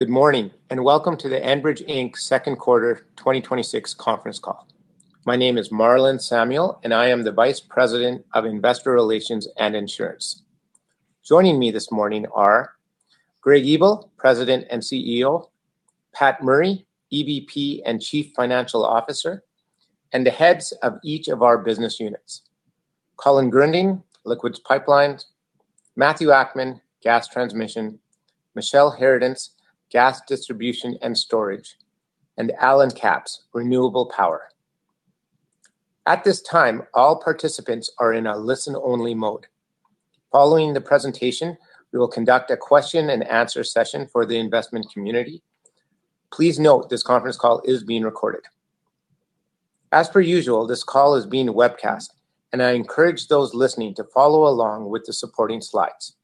Good morning, and welcome to the Enbridge Inc. Second Quarter 2026 conference call. My name is Marlon Samuel, and I am the Vice President of Investor Relations and Insurance. Joining me this morning are Greg Ebel, President and CEO, Pat Murray, EVP and Chief Financial Officer, and the heads of each of our business units. Colin Gruending, Liquids Pipelines, Matthew Akman, Gas Transmission, Michele Harradence, Gas Distribution and Storage, and Allen Capps, Renewable Power. At this time, all participants are in a listen-only mode. Following the presentation, we will conduct a question and answer session for the investment community. Please note this conference call is being recorded. As per usual, this call is being webcast, and I encourage those listening to follow along with the supporting slides.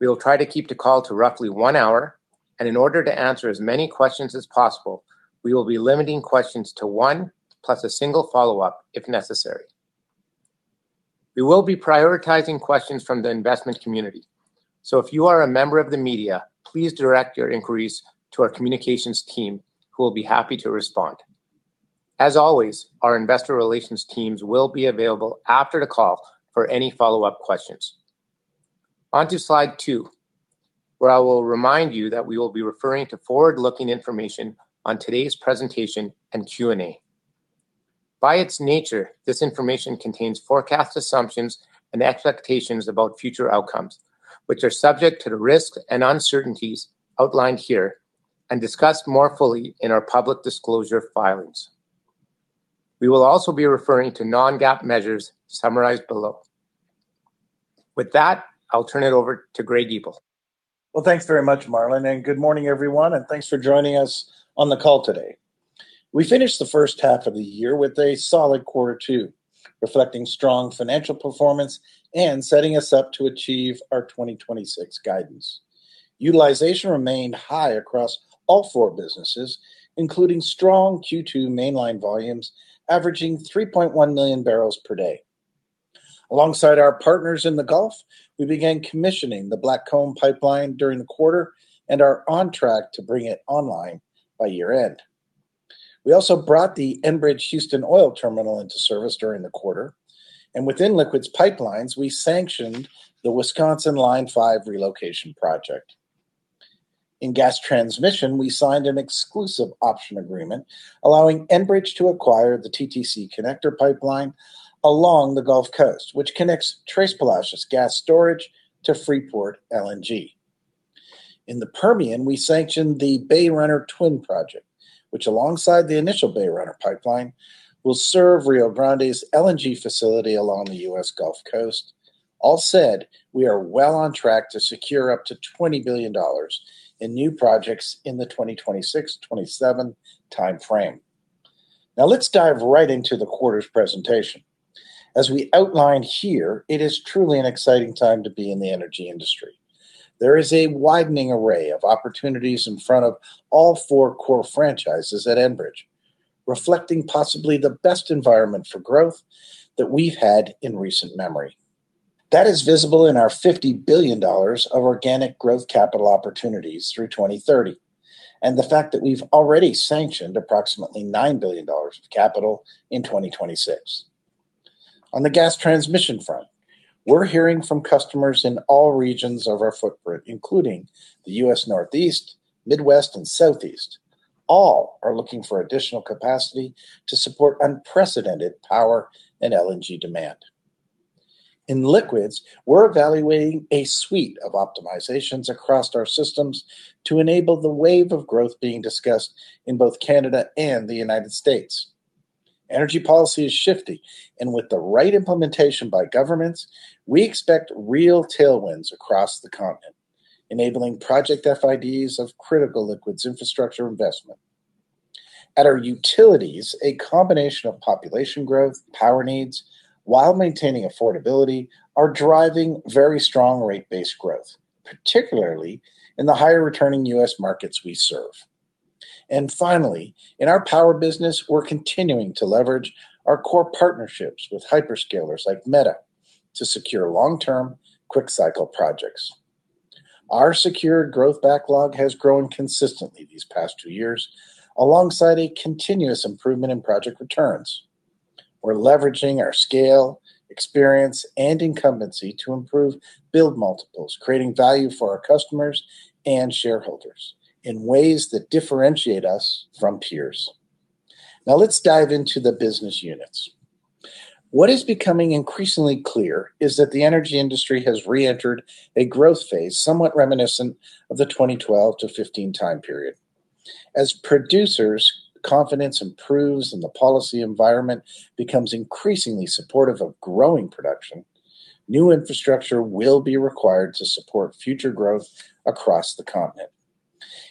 We will try to keep the call to roughly one hour, and in order to answer as many questions as possible, we will be limiting questions to one plus a single follow-up if necessary. We will be prioritizing questions from the investment community. If you are a member of the media, please direct your inquiries to our communications team who will be happy to respond. As always, our investor relations teams will be available after the call for any follow-up questions. On to slide two, where I will remind you that we will be referring to forward-looking information on today's presentation and Q&A. By its nature, this information contains forecast assumptions and expectations about future outcomes, which are subject to the risks and uncertainties outlined here and discussed more fully in our public disclosure filings. We will also be referring to non-GAAP measures summarized below. With that, I'll turn it over to Greg Ebel. Well, thanks very much, Marlon, and good morning everyone, and thanks for joining us on the call today. We finished the first half of the year with a solid quarter two, reflecting strong financial performance and setting us up to achieve our 2026 guidance. Utilization remained high across all four businesses, including strong Q2 Mainline volumes averaging 3.1 MMbpd. Alongside our partners in the Gulf, we began commissioning the Blackcomb Pipeline during the quarter and are on track to bring it online by year-end. We also brought the Enbridge Houston Oil Terminal into service during the quarter, and within Liquids Pipelines, we sanctioned the Wisconsin Line 5 relocation project. In Gas Transmission, we signed an exclusive option agreement allowing Enbridge to acquire the TTC Connector pipeline along the Gulf Coast, which connects Tres Palacios Gas Storage to Freeport LNG. In the Permian, we sanctioned the Bay Runner Twin project, which alongside the initial Bay Runner pipeline, will serve Rio Grande LNG facility along the U.S. Gulf Coast. All said, we are well on track to secure up to 20 billion dollars in new projects in the 2026-2027 timeframe. Now let's dive right into the quarter's presentation. As we outlined here, it is truly an exciting time to be in the energy industry. There is a widening array of opportunities in front of all four core franchises at Enbridge, reflecting possibly the best environment for growth that we've had in recent memory. That is visible in our 50 billion dollars of organic growth capital opportunities through 2030, and the fact that we've already sanctioned approximately 9 billion dollars of capital in 2026. On the Gas Transmission front, we're hearing from customers in all regions of our footprint, including the U.S. Northeast, Midwest, and Southeast. All are looking for additional capacity to support unprecedented power and LNG demand. In liquids, we're evaluating a suite of optimizations across our systems to enable the wave of growth being discussed in both Canada and the United States. Energy policy is shifting, and with the right implementation by governments, we expect real tailwinds across the continent, enabling project FIDs of critical liquids infrastructure investment. At our utilities, a combination of population growth, power needs, while maintaining affordability, are driving very strong rate-based growth, particularly in the higher-returning U.S. markets we serve. And finally, in our power business, we're continuing to leverage our core partnerships with hyperscalers like Meta to secure long-term, quick-cycle projects. Our secured growth backlog has grown consistently these past two years alongside a continuous improvement in project returns. We're leveraging our scale, experience, and incumbency to improve build multiples, creating value for our customers and shareholders in ways that differentiate us from peers. Now let's dive into the business units. What is becoming increasingly clear is that the energy industry has re-entered a growth phase somewhat reminiscent of the 2012 to 2015 time period. As producers' confidence improves and the policy environment becomes increasingly supportive of growing production, new infrastructure will be required to support future growth across the continent.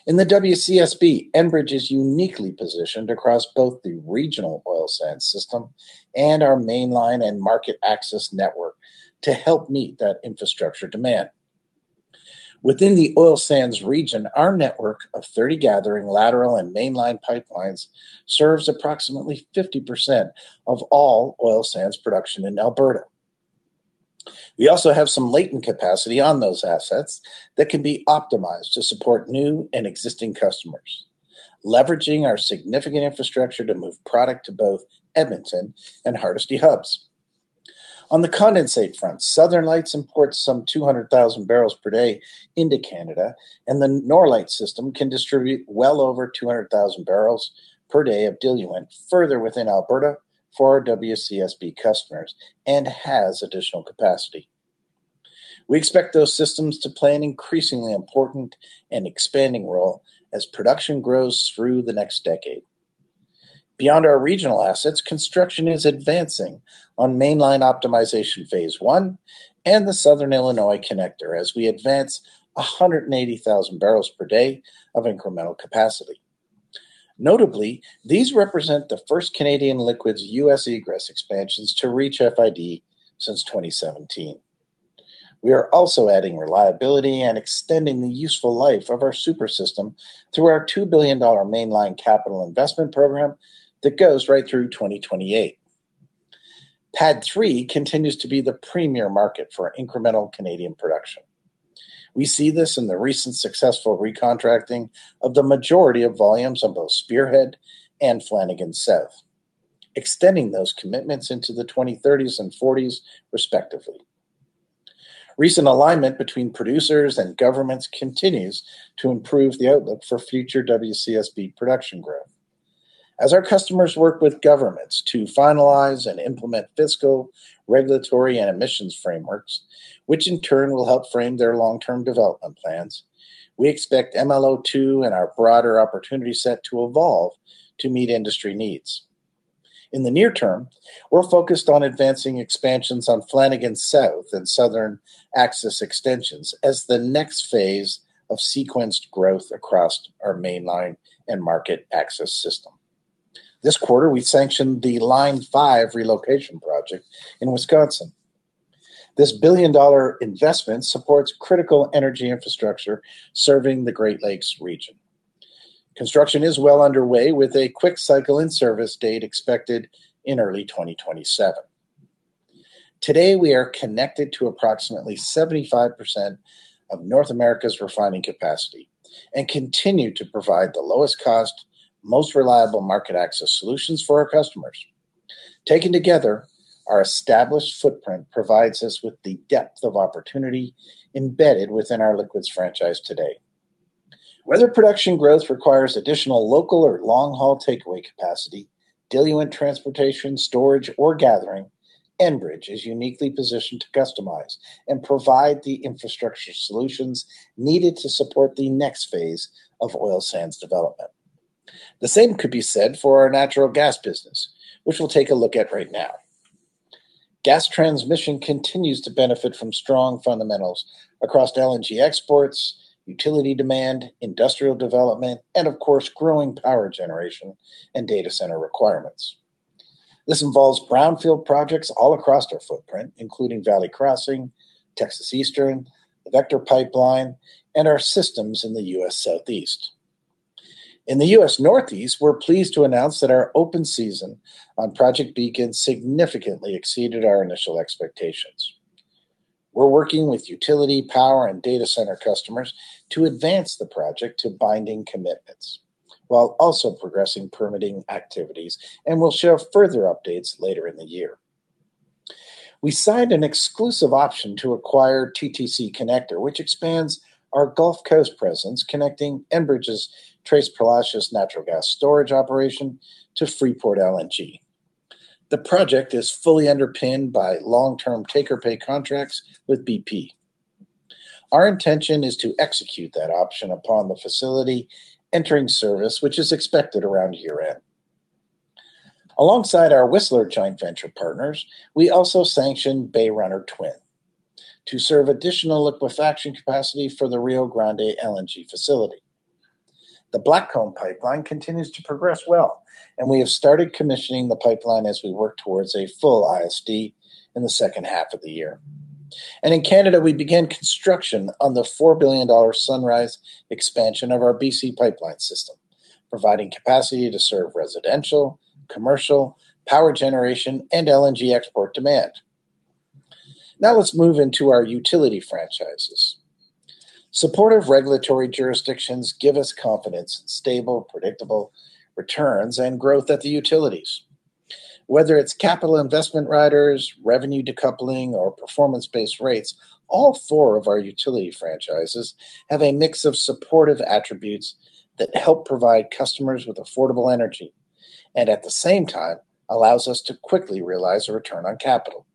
In the WCSB, Enbridge is uniquely positioned across both the regional oil sands system and our Mainline and market access network to help meet that infrastructure demand. Within the oil sands region, our network of 30 gathering lateral and Mainline pipelines serves approximately 50% of all oil sands production in Alberta. We also have some latent capacity on those assets that can be optimized to support new and existing customers, leveraging our significant infrastructure to move product to both Edmonton and Hardisty hubs. On the condensate front, Southern Lights imports some 200,000 bpd into Canada, and the Norlite system can distribute well over 200,000 bpd of diluent further within Alberta for our WCSB customers and has additional capacity. We expect those systems to play an increasingly important and expanding role as production grows through the next decade. Beyond our regional assets, construction is advancing on Mainline Optimization Phase I and the Southern Illinois Connector as we advance 180,000 bpd of incremental capacity. Notably, these represent the first Canadian liquids U.S. egress expansions to reach FID since 2017. We are also adding reliability and extending the useful life of our super system through our 2 billion dollar Mainline capital investment program that goes right through 2028. PADD 3 continues to be the premier market for incremental Canadian production. We see this in the recent successful recontracting of the majority of volumes on both Spearhead and Flanagan South, extending those commitments into the 2030s and 2040s respectively. Recent alignment between producers and governments continues to improve the outlook for future WCSB production growth. As our customers work with governments to finalize and implement fiscal, regulatory, and emissions frameworks, which in turn will help frame their long-term development plans, we expect MLO2 and our broader opportunity set to evolve to meet industry needs. In the near term, we're focused on advancing expansions on Flanagan South and Southern Access extensions as the next phase of sequenced growth across our Mainline and market access system. This quarter, we sanctioned the Line 5 relocation project in Wisconsin. This 1 billion investment supports critical energy infrastructure serving the Great Lakes region. Construction is well underway with a quick cycle in-service date expected in early 2027. Today, we are connected to approximately 75% of North America's refining capacity and continue to provide the lowest cost, most reliable market access solutions for our customers. Taken together, our established footprint provides us with the depth of opportunity embedded within our liquids franchise today. Whether production growth requires additional local or long-haul takeaway capacity, diluent transportation, storage, or gathering, Enbridge is uniquely positioned to customize and provide the infrastructure solutions needed to support the next phase of oil sands development. The same could be said for our natural gas business, which we'll take a look at right now. Gas Transmission continues to benefit from strong fundamentals across LNG exports, utility demand, industrial development, and of course, growing power generation and data center requirements. This involves brownfield projects all across our footprint, including Valley Crossing, Texas Eastern, the Vector Pipeline, and our systems in the U.S. Southeast. In the U.S. Northeast, we're pleased to announce that our open season on Project Beacon significantly exceeded our initial expectations. We're working with utility, power, and data center customers to advance the project to binding commitments while also progressing permitting activities and will share further updates later in the year. We signed an exclusive option to acquire TTC Connector, which expands our Gulf Coast presence, connecting Enbridge's Tres Palacios natural gas storage operation to Freeport LNG. The project is fully underpinned by long-term take-or-pay contracts with BP. Our intention is to execute that option upon the facility entering service, which is expected around year-end. Alongside our Whistler joint venture partners, we also sanctioned Bay Runner Twin to serve additional liquefaction capacity for the Rio Grande LNG facility. The Blackcomb Pipeline continues to progress well, and we have started commissioning the pipeline as we work towards a full ISD in the second half of the year. In Canada, we began construction on the 4 billion dollar Sunrise expansion of our BC Pipeline system, providing capacity to serve residential, commercial, power generation, and LNG export demand. Now let's move into our utility franchises. Supportive regulatory jurisdictions give us confidence, stable, predictable returns, and growth at the utilities. Whether it's capital investment riders, revenue decoupling, or performance-based rates, all four of our utility franchises have a mix of supportive attributes that help provide customers with affordable energy, at the same time, allows us to quickly realize a return on capital.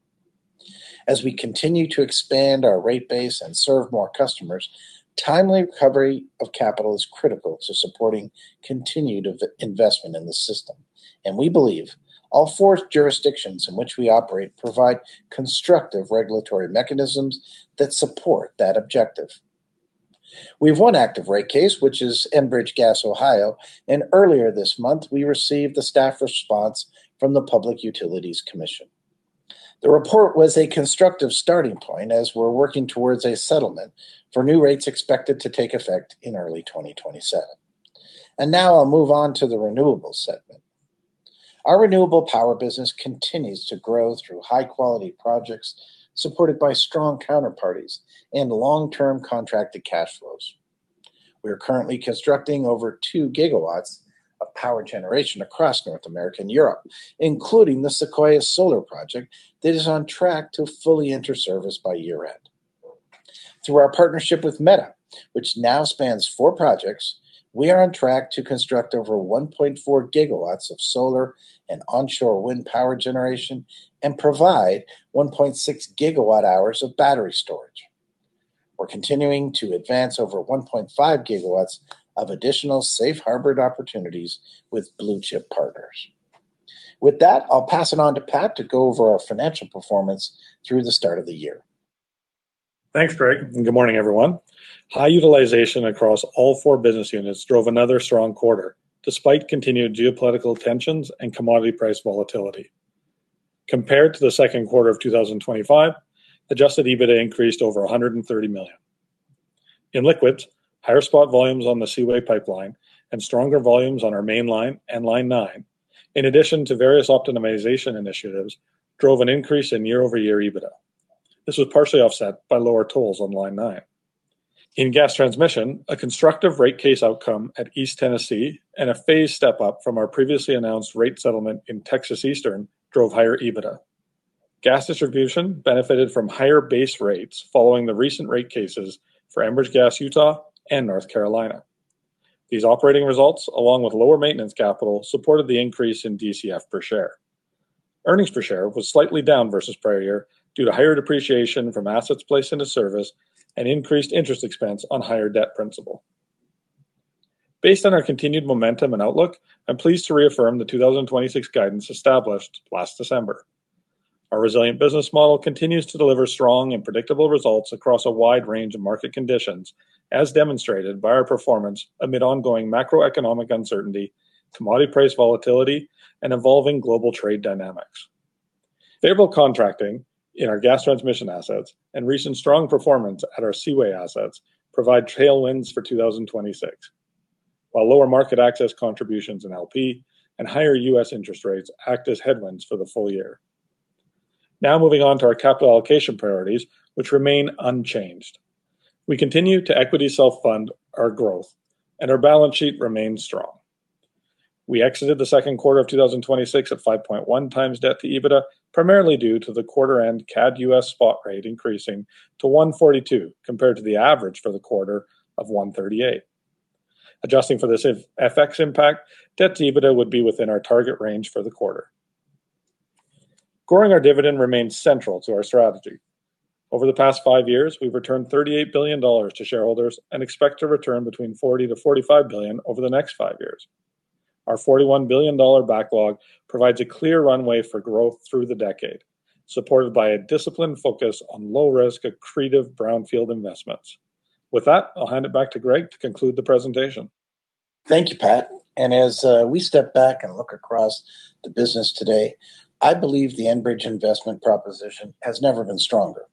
As we continue to expand our rate base and serve more customers, timely recovery of capital is critical to supporting continued investment in the system. We believe all four jurisdictions in which we operate provide constructive regulatory mechanisms that support that objective. We have one active rate case, which is Enbridge Gas Ohio, and earlier this month, we received a staff response from the Public Utilities Commission of Ohio. The report was a constructive starting point as we're working towards a settlement for new rates expected to take effect in early 2027. Now I'll move on to the renewables segment. Our Renewable Power business continues to grow through high-quality projects supported by strong counterparties and long-term contracted cash flows. We are currently constructing over 2 GW of power generation across North America and Europe, including the Sequoia Solar project that is on track to fully enter service by year-end. Through our partnership with Meta, which now spans four projects, we are on track to construct over 1.4 GW of solar and onshore wind power generation and provide 1.6 GWh of battery storage. We're continuing to advance over 1.5 GW of additional safe harbored opportunities with blue-chip partners. With that, I'll pass it on to Pat to go over our financial performance through the start of the year. Thanks, Greg. Good morning, everyone. High utilization across all four business units drove another strong quarter, despite continued geopolitical tensions and commodity price volatility. Compared to the second quarter of 2025, adjusted EBITDA increased over 130 million. In Liquids, higher spot volumes on the Seaway Pipeline and stronger volumes on our Mainline and Line 9, in addition to various optimization initiatives, drove an increase in year-over-year EBITDA. This was partially offset by lower tolls on Line 9. In Gas Transmission, a constructive rate case outcome at East Tennessee and a phased step-up from our previously announced rate settlement in Texas Eastern drove higher EBITDA. Gas Distribution benefited from higher base rates following the recent rate cases for Enbridge Gas Utah and North Carolina. These operating results, along with lower maintenance capital, supported the increase in DCF per share. Earnings per share was slightly down versus prior year due to higher depreciation from assets placed into service and increased interest expense on higher debt principal. Based on our continued momentum and outlook, I'm pleased to reaffirm the 2026 guidance established last December. Our resilient business model continues to deliver strong and predictable results across a wide range of market conditions, as demonstrated by our performance amid ongoing macroeconomic uncertainty, commodity price volatility, and evolving global trade dynamics. Favorable contracting in our Gas Transmission assets and recent strong performance at our Seaway assets provide tailwinds for 2026, while lower market access contributions in LP and higher U.S. interest rates act as headwinds for the full year. Moving on to our capital allocation priorities, which remain unchanged. We continue to equity self-fund our growth, and our balance sheet remains strong. We exited the second quarter of 2026 at 5.1x debt to EBITDA, primarily due to the quarter-end CAD-U.S. spot rate increasing to 142, compared to the average for the quarter of 138. Adjusting for this FX impact, debt to EBITDA would be within our target range for the quarter. Growing our dividend remains central to our strategy. Over the past five years, we've returned 38 billion dollars to shareholders and expect to return between 40 billion to 45 billion over the next five years. Our 41 billion dollar backlog provides a clear runway for growth through the decade, supported by a disciplined focus on low-risk, accretive brownfield investments. I'll hand it back to Greg to conclude the presentation. Thank you, Pat. As we step back and look across the business today, I believe the Enbridge investment proposition has never been stronger.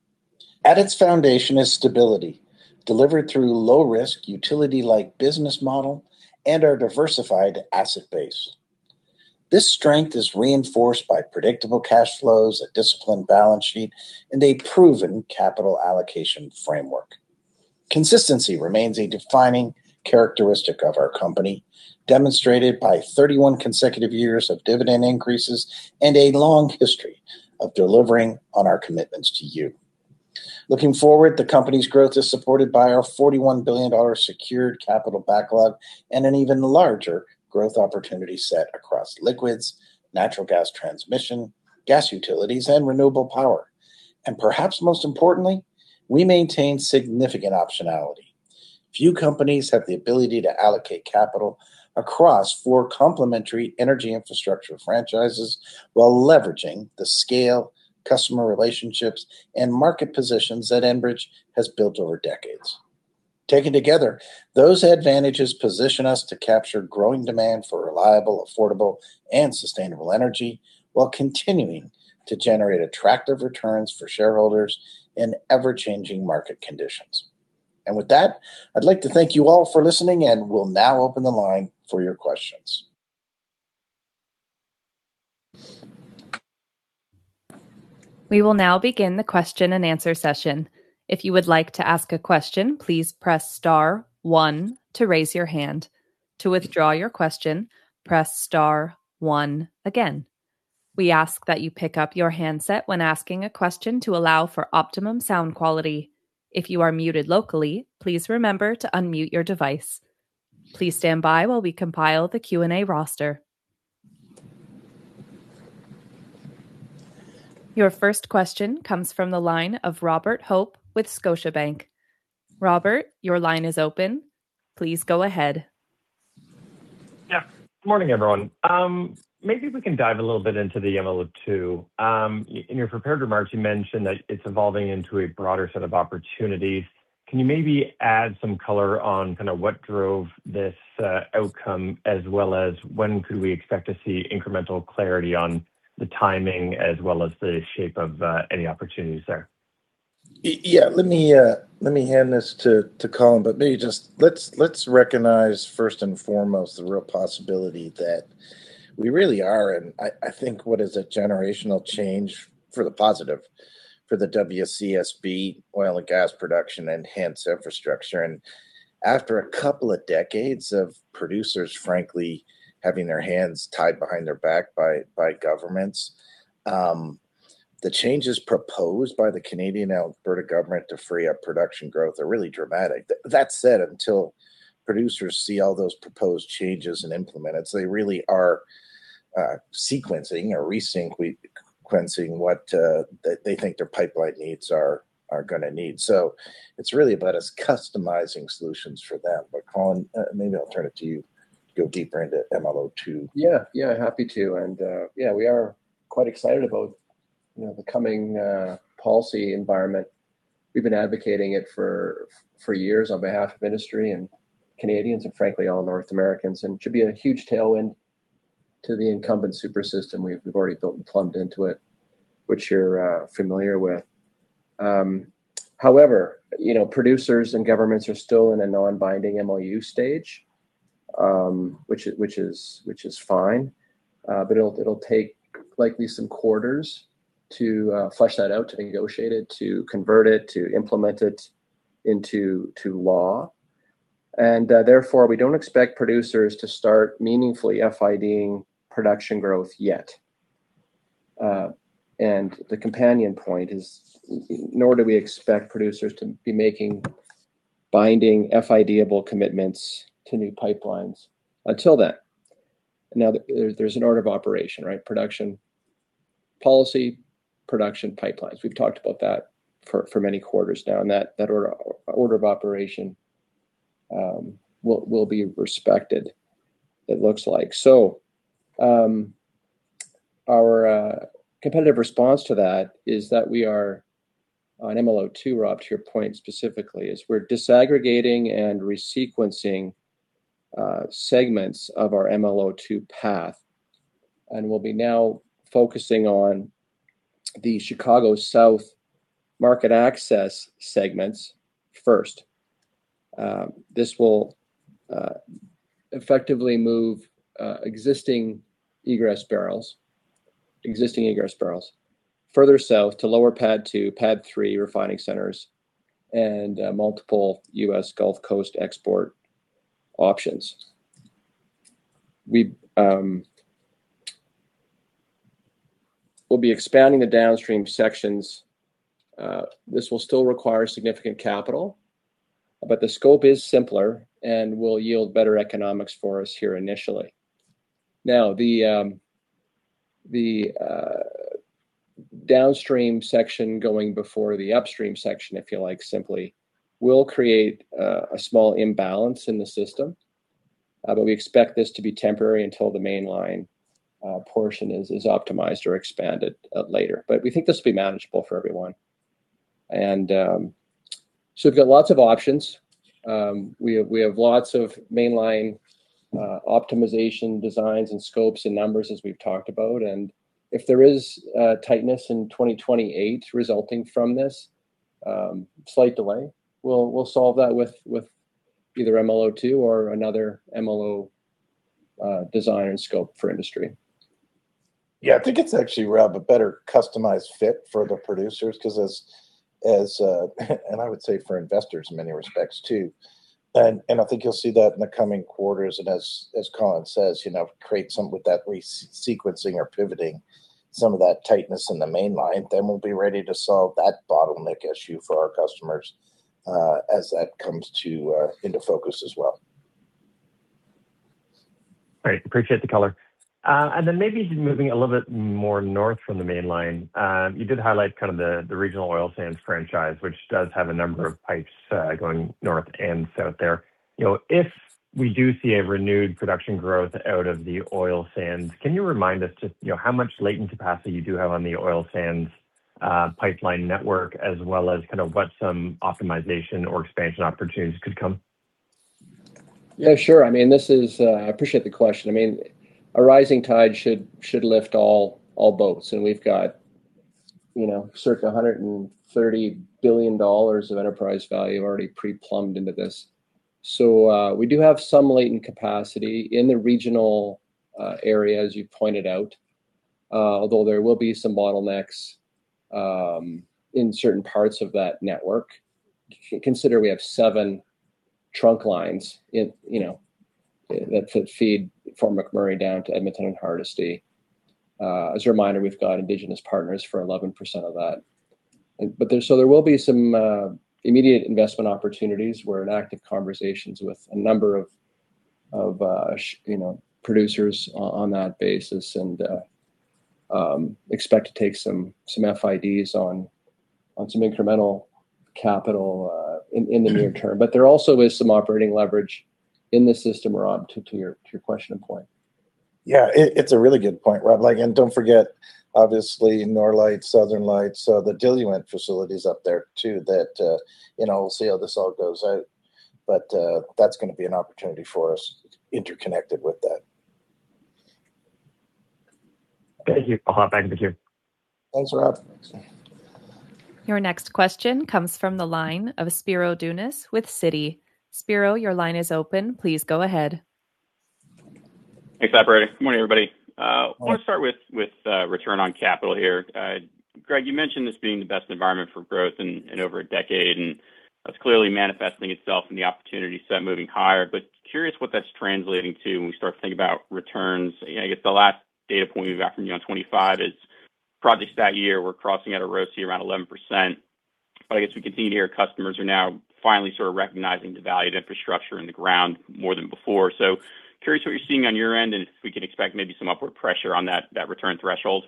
At its foundation is stability, delivered through low-risk, utility-like business model and our diversified asset base. This strength is reinforced by predictable cash flows, a disciplined balance sheet, and a proven capital allocation framework. Consistency remains a defining characteristic of our company, demonstrated by 31 consecutive years of dividend increases and a long history of delivering on our commitments to you. Looking forward, the company's growth is supported by our 41 billion dollar secured capital backlog and an even larger growth opportunity set across Liquids, Gas Transmission, Gas Utilities, and Renewable Power. Perhaps most importantly, we maintain significant optionality. Few companies have the ability to allocate capital across four complementary energy infrastructure franchises while leveraging the scale, customer relationships, and market positions that Enbridge has built over decades. Taken together, those advantages position us to capture growing demand for reliable, affordable, and sustainable energy while continuing to generate attractive returns for shareholders in ever-changing market conditions. With that, I'd like to thank you all for listening. We'll now open the line for your questions. We will now begin the question-and-answer session. If you would like to ask a question, please press star one to raise your hand. To withdraw your question, press star one again. We ask that you pick up your handset when asking a question to allow for optimum sound quality. If you are muted locally, please remember to unmute your device. Please stand by while we compile the Q&A roster. Your first question comes from the line of Robert Hope with Scotiabank. Robert, your line is open. Please go ahead. Good morning, everyone. If we can dive a little bit into the MLO2. In your prepared remarks, you mentioned that it's evolving into a broader set of opportunities. Can you add some color on what drove this outcome as well as when could we expect to see incremental clarity on the timing as well as the shape of any opportunities there? Let me hand this to Colin, but let's recognize first and foremost the real possibility that we really are in what is a generational change for the positive for the WCSB oil and gas production enhanced infrastructure. After a couple of decades of producers, frankly, having their hands tied behind their back by governments, the changes proposed by the Canadian Alberta government to free up production growth are really dramatic. That said, until producers see all those proposed changes and implemented, they really are sequencing or resequencing what they think their pipeline needs are going to need. It's really about us customizing solutions for them. Colin, I'll turn it to you to go deeper into MLO2. Happy to. We are quite excited about the coming policy environment. We've been advocating it for years on behalf of industry and Canadians and frankly, all North Americans. It should be a huge tailwind to the incumbent super system we've already built and plumbed into it, which you're familiar with. However, producers and governments are still in a non-binding MOU stage, which is fine. It'll take likely some quarters to flush that out, to negotiate it, to convert it, to implement it into law. Therefore, we don't expect producers to start meaningfully FID-ing production growth yet. The companion point is nor do we expect producers to be making binding FID-able commitments to new pipelines until then. There's an order of operation, right? Production policy, production pipelines. We've talked about that for many quarters now, that order of operation will be respected it looks like. Our competitive response to that is that we are on MLO2, Rob, to your point, specifically, we're disaggregating and resequencing segments of our MLO2 path, and we'll be now focusing on the Chicago South market access segments first. This will effectively move existing egress barrels further south to lower PADD 2, PADD 3 refining centers, and multiple U.S. Gulf Coast export options. We'll be expanding the downstream sections. This will still require significant capital, the scope is simpler and will yield better economics for us here initially. The downstream section going before the upstream section, if you like, simply will create a small imbalance in the system. We expect this to be temporary until the Mainline portion is optimized or expanded later. We think this will be manageable for everyone. We've got lots of options. We have lots of Mainline Optimization designs and scopes and numbers as we've talked about. If there is a tightness in 2028 resulting from this slight delay, we'll solve that with either MLO2 or another MLO design and scope for industry. I think it's actually, Rob, a better customized fit for the producers and I would say for investors in many respects, too. I think you'll see that in the coming quarters and as Colin says, create something with that resequencing or pivoting some of that tightness in the Mainline, we'll be ready to solve that bottleneck issue for our customers as that comes into focus as well. Great. Appreciate the color. Maybe just moving a little bit more north from the Mainline. You did highlight the regional oilsands franchise, which does have a number of pipes going north and south there. If we do see a renewed production growth out of the oilsands, can you remind us just how much latent capacity you do have on the oilsands pipeline network, as well as what some optimization or expansion opportunities could come? Sure. I appreciate the question. A rising tide should lift all boats, and we've got circa 130 billion dollars of enterprise value already pre-plumbed into this. We do have some latent capacity in the regional area, as you pointed out, although there will be some bottlenecks in certain parts of that network. Consider we have seven trunk lines that feed from McMurray down to Edmonton and Hardisty. As a reminder, we've got indigenous partners for 11% of that. There will be some immediate investment opportunities. We're in active conversations with a number of producers on that basis and expect to take some FIDs on some incremental capital in the near term. There also is some operating leverage in the system, Rob, to your question and point. Yeah, it's a really good point, Rob. Don't forget, obviously Norlite, Southern Lights, the diluent facilities up there, too, that we'll see how this all goes out. That's going to be an opportunity for us interconnected with that. Thank you. I'll hop back with you. Thanks, Rob. Your next question comes from the line of Spiro Dounis with Citi. Spiro, your line is open. Please go ahead. Thanks, operator. Good morning, everybody. I want to start with return on capital here. Greg, you mentioned this being the best environment for growth in over a decade, that's clearly manifesting itself in the opportunity set moving higher. Curious what that's translating to when we start to think about returns. I guess the last data point we got from you on 2025 is projects that year were crossing at a ROC around 11%. I guess we can see here customers are now finally sort of recognizing the value of infrastructure in the ground more than before. Curious what you're seeing on your end, if we can expect maybe some upward pressure on that return threshold.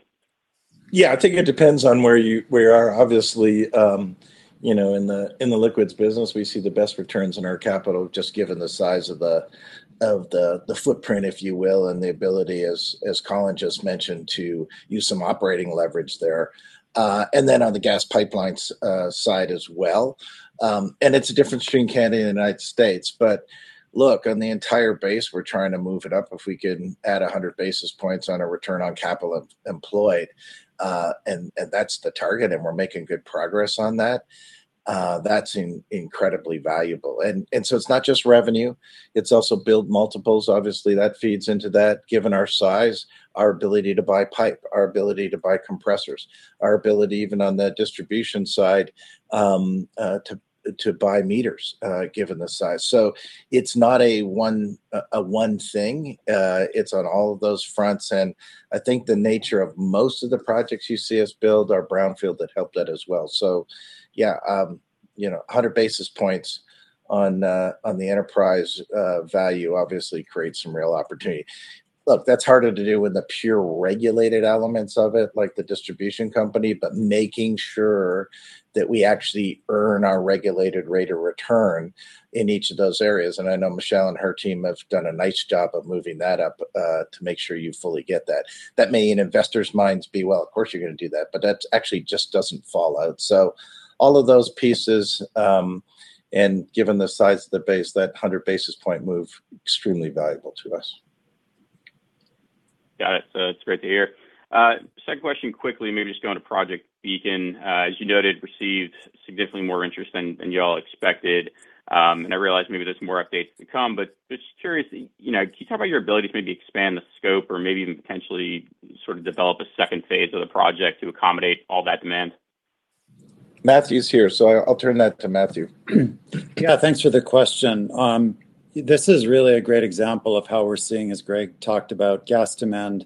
I think it depends on where you are. Obviously, in the Liquids Pipelines business, we see the best returns on our capital, just given the size of the footprint, if you will, the ability, as Colin just mentioned, to use some operating leverage there. On the Gas Transmission side as well. It's different between Canada and the U.S. Look, on the entire base, we're trying to move it up, if we can add 100 basis points on a return on capital employed. That's the target, we're making good progress on that. That's incredibly valuable. It's not just revenue, it's also build multiples. Obviously, that feeds into that, given our size, our ability to buy pipe, our ability to buy compressors. Our ability even on that Gas Distribution and Storage side to buy meters, given the size. It's not a one thing. It's on all of those fronts, and I think the nature of most of the projects you see us build are brownfield that help that as well. 100 basis points on the enterprise value obviously creates some real opportunity. That's harder to do in the pure regulated elements of it, like the Gas Distribution and Storage company, making sure that we actually earn our regulated rate of return in each of those areas. I know Michele and her team have done a nice job of moving that up to make sure you fully get that. That may in investors' minds be, "Well, of course you're going to do that," that actually just doesn't fall out. All of those pieces, given the size of the base, that 100 basis point move, extremely valuable to us. Got it. That's great to hear. Second question quickly, maybe just going to Project Beacon. As you noted, received significantly more interest than you all expected. I realize maybe there's more updates to come, just curious, can you talk about your ability to maybe expand the scope or maybe even potentially sort of develop a second phase of the project to accommodate all that demand? Matthew's here. I'll turn that to Matthew. Thanks for the question. This is really a great example of how we're seeing, as Greg talked about, gas demand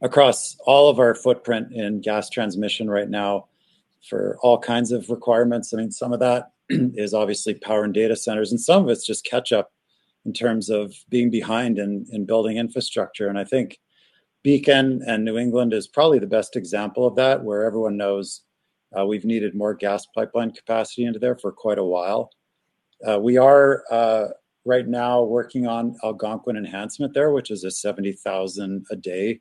across all of our footprint in Gas Transmission right now for all kinds of requirements. I mean, some of that is obviously power and data centers, and some of it's just catch-up in terms of being behind in building infrastructure. I think Beacon and New England is probably the best example of that, where everyone knows we've needed more gas pipeline capacity into there for quite a while. We are right now working on Algonquin Gas Transmission there, which is a 70,000 a day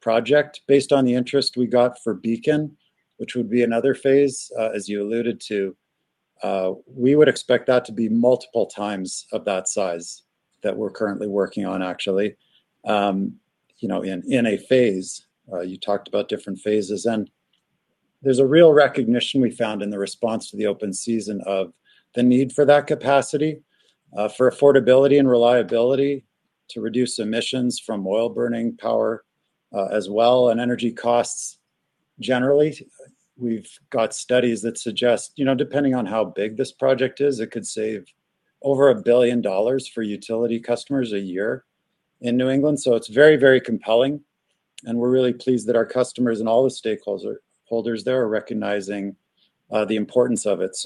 project based on the interest we got for Beacon, which would be another phase, as you alluded to. We would expect that to be multiple times of that size that we're currently working on, actually in a phase. You talked about different phases. There's a real recognition we found in the response to the open season of the need for that capacity, for affordability and reliability to reduce emissions from oil-burning power, as well, and energy costs generally. We've got studies that suggest, depending on how big this project is, it could save over 1 billion dollars for utility customers a year in New England. It's very compelling, and we're really pleased that our customers and all the stakeholders there are recognizing the importance of it.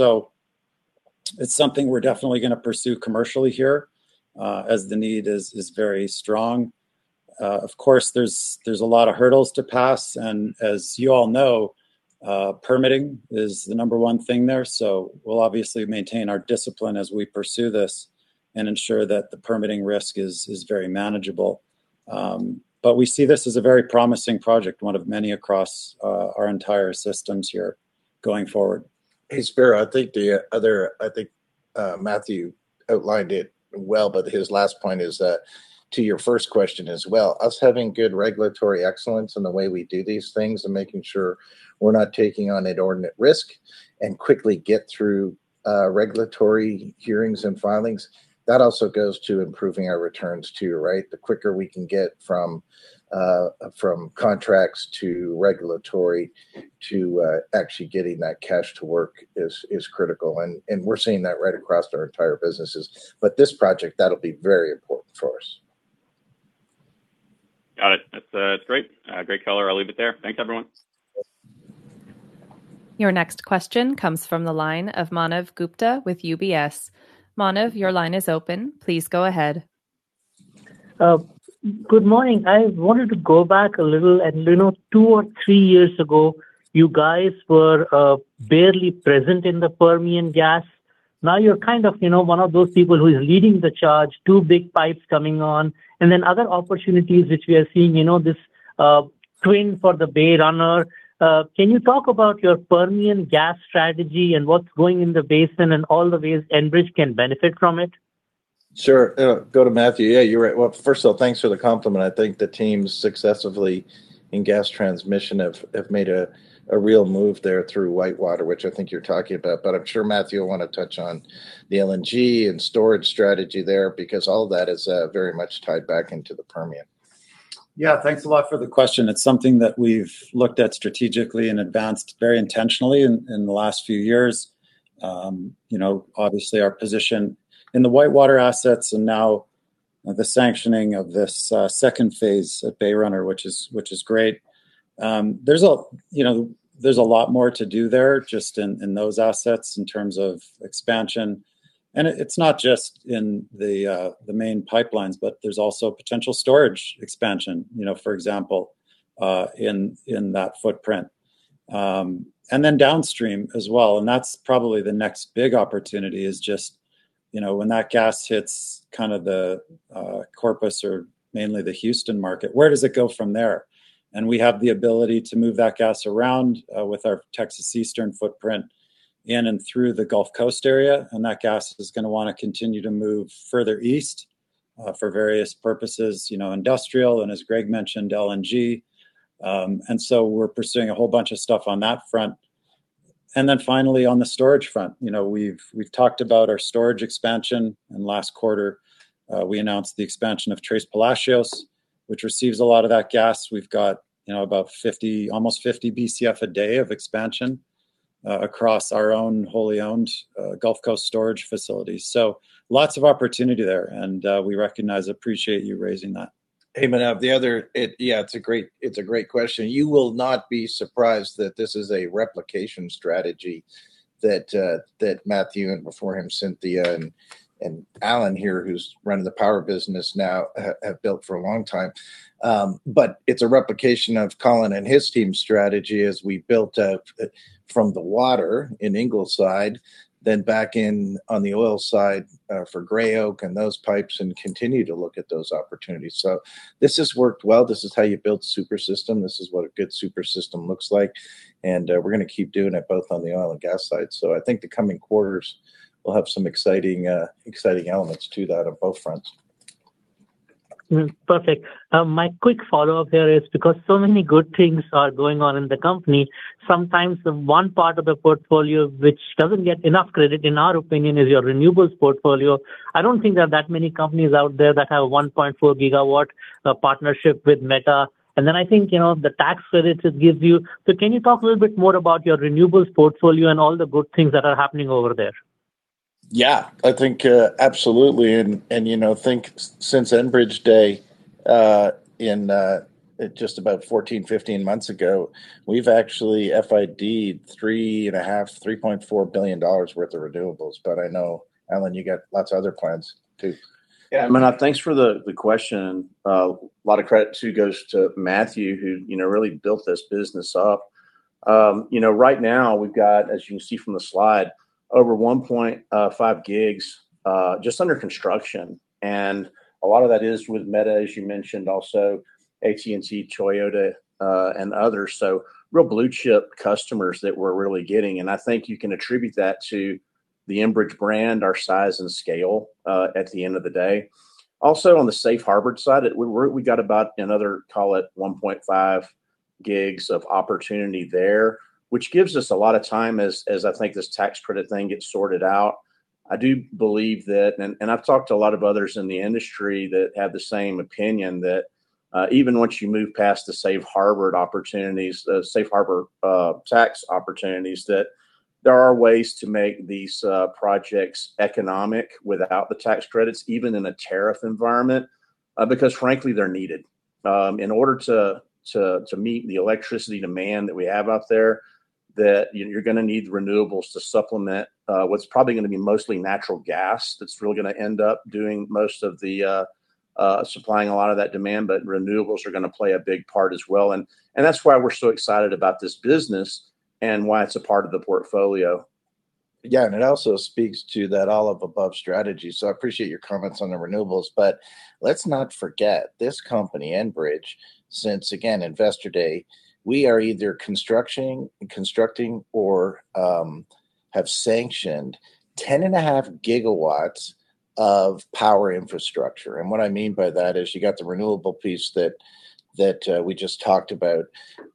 It's something we're definitely going to pursue commercially here, as the need is very strong. Of course, there's a lot of hurdles to pass. As you all know, permitting is the number 1 thing there. We'll obviously maintain our discipline as we pursue this and ensure that the permitting risk is very manageable. We see this as a very promising project, one of many across our entire systems here going forward. Hey, Spiro, I think Matthew outlined it well, but his last point is that to your first question as well, us having good regulatory excellence in the way we do these things and making sure we're not taking on inordinate risk and quickly get through regulatory hearings and filings. That also goes to improving our returns too, right? The quicker we can get from contracts to regulatory to actually getting that cash to work is critical. We're seeing that right across our entire businesses. This project, that'll be very important for us. Got it. That's great color. I'll leave it there. Thanks, everyone. Your next question comes from the line of Manav Gupta with UBS. Manav, your line is open. Please go ahead. Good morning. I wanted to go back a little, and two or three years ago, you guys were barely present in the Permian gas. Now you're kind of one of those people who is leading the charge, two big pipes coming on, and then other opportunities which we are seeing, this twin for the Bay Runner. Can you talk about your Permian gas strategy and what's going in the basin and all the ways Enbridge can benefit from it? Sure. Go to Matthew. You're right. First of all, thanks for the compliment. I think the teams successively in Gas Transmission have made a real move there through WhiteWater, which I think you're talking about. I'm sure Matthew will want to touch on the LNG and storage strategy there, because all that is very much tied back into the Permian. Thanks a lot for the question. It's something that we've looked at strategically and advanced very intentionally in the last few years. Obviously, our position in the WhiteWater assets and now the sanctioning of this Phase II at Bay Runner, which is great. There's a lot more to do there just in those assets in terms of expansion. It's not just in the main pipelines, there's also potential storage expansion, for example, in that footprint. Downstream as well, that's probably the next big opportunity is just when that gas hits kind of the Corpus or mainly the Houston market, where does it go from there? We have the ability to move that gas around with our Texas Eastern footprint in and through the Gulf Coast area, that gas is going to want to continue to move further east for various purposes, industrial and, as Greg mentioned, LNG. We're pursuing a whole bunch of stuff on that front. Finally on the storage front, we've talked about our storage expansion, last quarter we announced the expansion of Tres Palacios, which receives a lot of that gas. We've got almost 50 BCF a day of expansion across our own wholly-owned Gulf Coast storage facilities. Lots of opportunity there, we recognize, appreciate you raising that. Hey, Manav. It's a great question. You will not be surprised that this is a replication strategy that Matthew and before him, Cynthia and Allen here, who's running the power business now, have built for a long time. It's a replication of Colin and his team's strategy as we built up from the water in Ingleside, then back in on the oil side for Gray Oak and those pipes, continue to look at those opportunities. This has worked well. This is what a good super system looks like, we're going to keep doing it both on the oil and gas side. I think the coming quarters will have some exciting elements to that on both fronts. Perfect. My quick follow-up here is because so many good things are going on in the company, sometimes the one part of the portfolio which doesn't get enough credit, in our opinion, is your Renewable Power portfolio. I don't think there are that many companies out there that have 1.4 GW partnership with Meta. I think the tax credits it gives you. Can you talk a little bit more about your Renewable Power portfolio and all the good things that are happening over there? I think absolutely. Since Enbridge day in just about 14, 15 months ago, we've actually FID 3.5, 3.4 billion dollars worth of renewables. I know, Allen, you got lots of other plans too. Manav, thanks for the question. A lot of credit, too, goes to Matthew, who really built this business up. Right now we've got, as you can see from the slide, over 1.5 GW just under construction. A lot of that is with Meta, as you mentioned, also AT&T, Toyota, and others. Real blue-chip customers that we're really getting. I think you can attribute that to the Enbridge brand, our size and scale at the end of the day. Also, on the safe harbor side, we got about another, call it 1.5 GW of opportunity there, which gives us a lot of time as I think this tax credit thing gets sorted out. I do believe that, I've talked to a lot of others in the industry that have the same opinion, that even once you move past the safe harbor tax opportunities, that there are ways to make these projects economic without the tax credits, even in a tariff environment. Frankly, they're needed. In order to meet the electricity demand that we have out there, that you're going to need renewables to supplement what's probably going to be mostly natural gas that's really going to end up doing most of the supplying a lot of that demand. Renewables are going to play a big part as well. That's why we're so excited about this business and why it's a part of the portfolio. It also speaks to that all-of-above strategy. I appreciate your comments on the renewables, but let's not forget, this company, Enbridge, since again, Investor Day, we are either constructing or have sanctioned 10.5 GW of power infrastructure. What I mean by that is you got the renewable piece that we just talked about,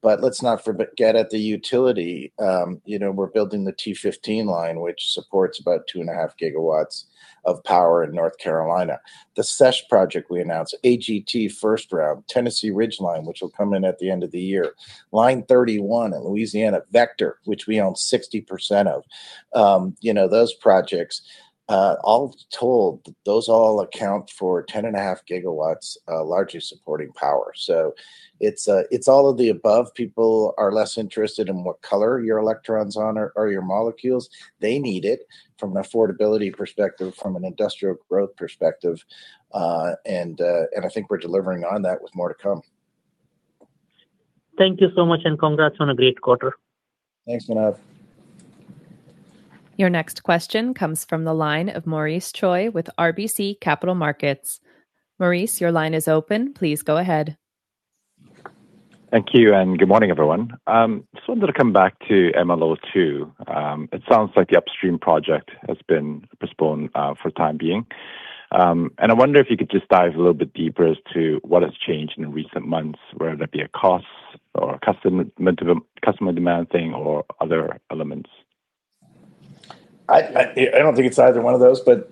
but let's not forget at the utility, we're building the T15 line, which supports about 2.5 GW of power in North Carolina. The SESH project we announced, AGT first round, Tennessee Ridgeline, which will come in at the end of the year. Line 31 at Louisiana. Vector, which we own 60% of. Those projects, all told, those all account for 10.5 GW, largely supporting power. It's all of the above. People are less interested in what color your electrons on or your molecules. They need it from an affordability perspective, from an industrial growth perspective, I think we're delivering on that with more to come. Thank you so much, congrats on a great quarter. Thanks, Manav. Your next question comes from the line of Maurice Choy with RBC Capital Markets. Maurice, your line is open. Please go ahead. Thank you, good morning, everyone. Just wanted to come back to MLO2. It sounds like the upstream project has been postponed for the time being. I wonder if you could just dive a little bit deeper as to what has changed in recent months, whether that be a cost or a customer demand thing, or other elements. I don't think it's either one of those, as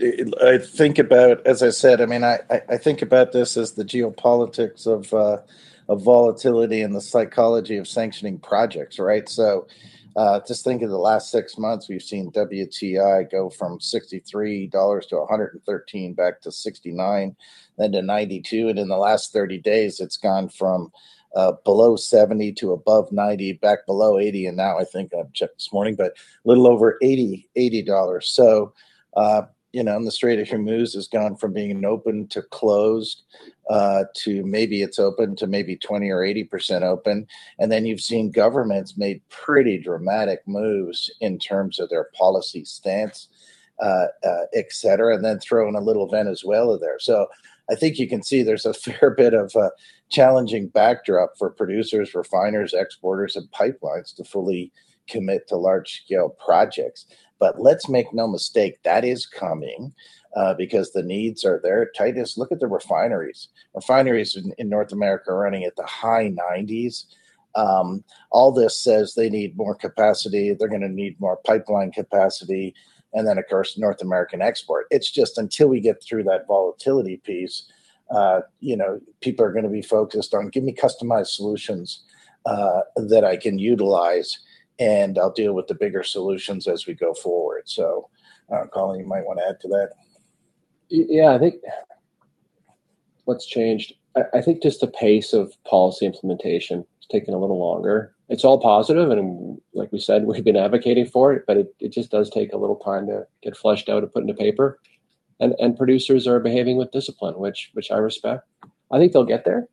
I said, I think about this as the geopolitics of volatility and the psychology of sanctioning projects, right. Just think of the last six months, we've seen WTI go from 63-113 dollars back to 69, then to 92. In the last 30 days, it's gone from below 70 to above 90, back below 80, and now I think I've checked this morning, but a little over 80 dollars. The Strait of Hormuz has gone from being an open to closed, to maybe it's open to maybe 20% or 80% open. Then you've seen governments made pretty dramatic moves in terms of their policy stance, et cetera. Then throw in a little Venezuela there. I think you can see there's a fair bit of a challenging backdrop for producers, refiners, exporters, and pipelines to fully commit to large scale projects. Let's make no mistake, that is coming because the needs are there. Titus, look at the refineries. Refineries in North America are running at the high 90s. All this says they need more capacity. They're going to need more pipeline capacity. Then, of course, North American export. It's just until we get through that volatility piece, people are going to be focused on give me customized solutions that I can utilize, and I'll deal with the bigger solutions as we go forward. Colin, you might want to add to that. Yeah. I think what's changed, just the pace of policy implementation. It's taking a little longer. It's all positive and like we said, we've been advocating for it, but it just does take a little time to get fleshed out and put into paper. Producers are behaving with discipline, which I respect. I think they'll get there.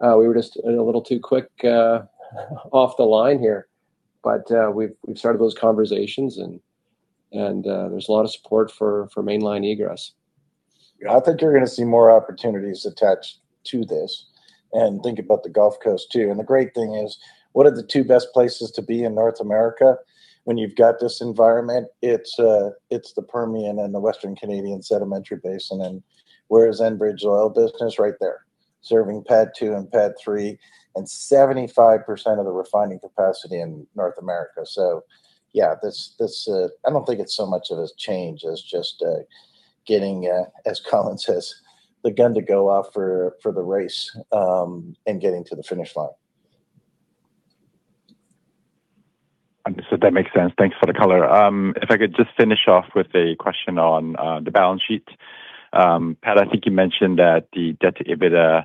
We were just a little too quick off the line here, but we've started those conversations and there's a lot of support for Mainline egress. I think you're going to see more opportunities attached to this. Think about the Gulf Coast too. The great thing is, what are the two best places to be in North America when you've got this environment? It's the Permian and the Western Canadian Sedimentary Basin. Where is Enbridge Oil business? Right there, serving PADD 2 and PADD 3, and 75% of the refining capacity in North America. Yeah, I don't think it's so much of a change as just getting, as Colin says, the gun to go off for the race and getting to the finish line. Understood. That makes sense. Thanks for the color. If I could just finish off with a question on the balance sheet. Pat, I think you mentioned that the debt to EBITDA is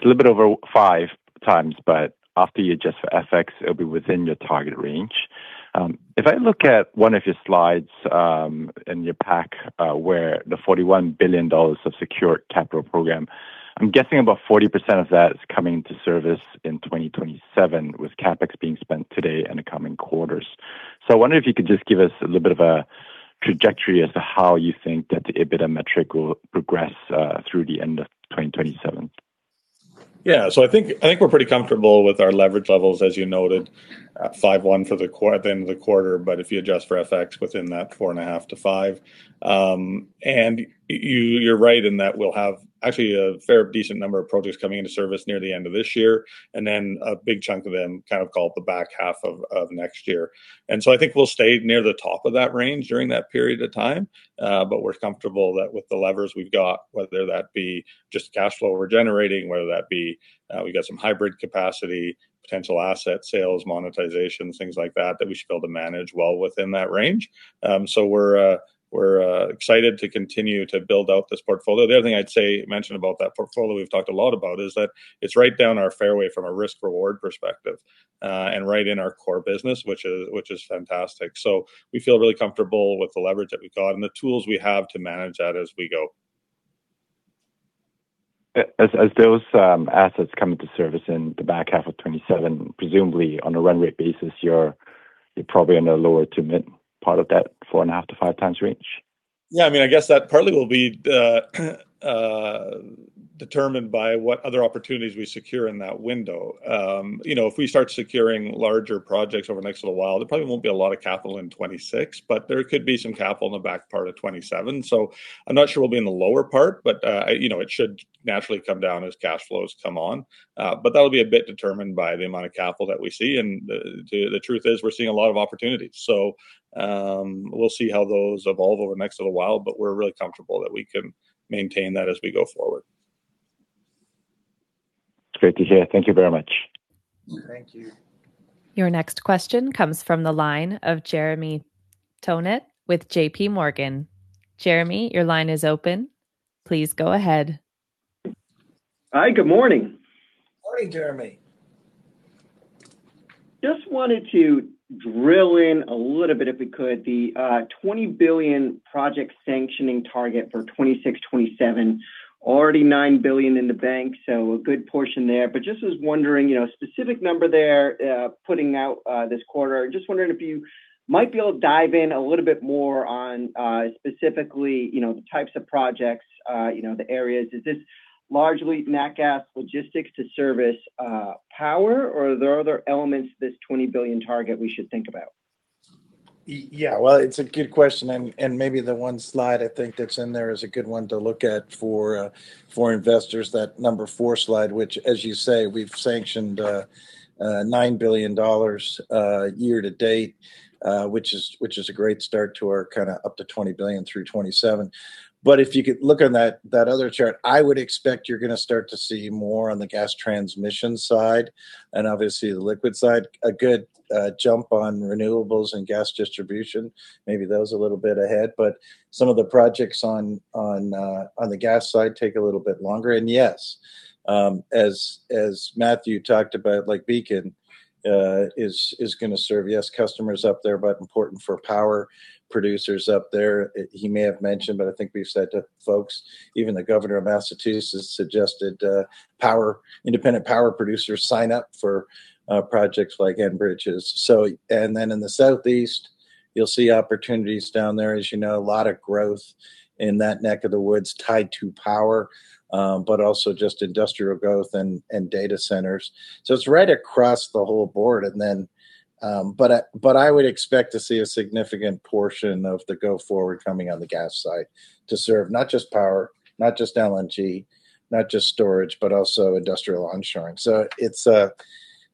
a little bit over 5x, but after you adjust for FX, it'll be within your target range. If I look at one of your slides in your pack where the 41 billion dollars of secure capital program, I'm guessing about 40% of that is coming to service in 2027 with CapEx being spent today and the coming quarters. I wonder if you could just give us a little bit of a trajectory as to how you think that the EBITDA metric will progress through the end of 2027. Yeah. I think we're pretty comfortable with our leverage levels, as you noted, at 5.1 at the end of the quarter, but if you adjust for FX, within that 4.5-5. You're right in that we'll have actually a fair decent number of projects coming into service near the end of this year, then a big chunk of them kind of called the back half of next year. I think we'll stay near the top of that range during that period of time. We're comfortable that with the levers we've got, whether that be just cash flow we're generating, whether that be we got some hybrid capacity, potential asset sales, monetization, things like that we should be able to manage well within that range. We're excited to continue to build out this portfolio. The other thing I'd say, mention about that portfolio we've talked a lot about is that it's right down our fairway from a risk-reward perspective. Right in our core business, which is fantastic. We feel really comfortable with the leverage that we've got and the tools we have to manage that as we go. As those assets come into service in the back half of 2027, presumably on a run rate basis, you're probably on the lower to mid part of that 4.5x to 5x range? I guess that partly will be determined by what other opportunities we secure in that window. If we start securing larger projects over the next little while, there probably won't be a lot of capital in 2026, but there could be some capital in the back part of 2027. I'm not sure we'll be in the lower part, but it should naturally come down as cash flows come on. That'll be a bit determined by the amount of capital that we see, and the truth is, we're seeing a lot of opportunities. We'll see how those evolve over the next little while, but we're really comfortable that we can maintain that as we go forward. It's great to hear. Thank you very much. Thank you. Your next question comes from the line of Jeremy Tonet with JPMorgan. Jeremy, your line is open. Please go ahead. Hi, good morning. Morning, Jeremy. Just wanted to drill in a little bit, if we could. The 20 billion project sanctioning target for 2026, 2027, already 9 billion in the bank, so a good portion there. Just was wondering, specific number there putting out this quarter, just wondering if you might be able to dive in a little bit more on specifically the types of projects, the areas. Is this largely natural gas logistics to service power, or are there other elements to this 20 billion target we should think about? Yeah. Well, it's a good question, and maybe the one slide I think that's in there is a good one to look at for investors. That number four slide, which as you say, we've sanctioned 9 billion dollars year to date, which is a great start to our up to 20 billion through 2027. If you could look on that other chart, I would expect you're going to start to see more on the Gas Transmission side, and obviously the liquid side. A good jump on renewables and gas distribution, maybe those are a little bit ahead, but some of the projects on the gas side take a little bit longer. And yes, as Matthew talked about, like Project Beacon is going to serve, yes, customers up there, but important for power producers up there. He may have mentioned, but I think we've said to folks, even the governor of Massachusetts suggested independent power producers sign up for projects like Enbridge's. In the Southeast, you'll see opportunities down there. As you know, a lot of growth in that neck of the woods tied to power, but also just industrial growth and data centers. It's right across the whole board. I would expect to see a significant portion of the go forward coming on the gas side to serve not just power, not just LNG, not just storage, but also industrial onshoring.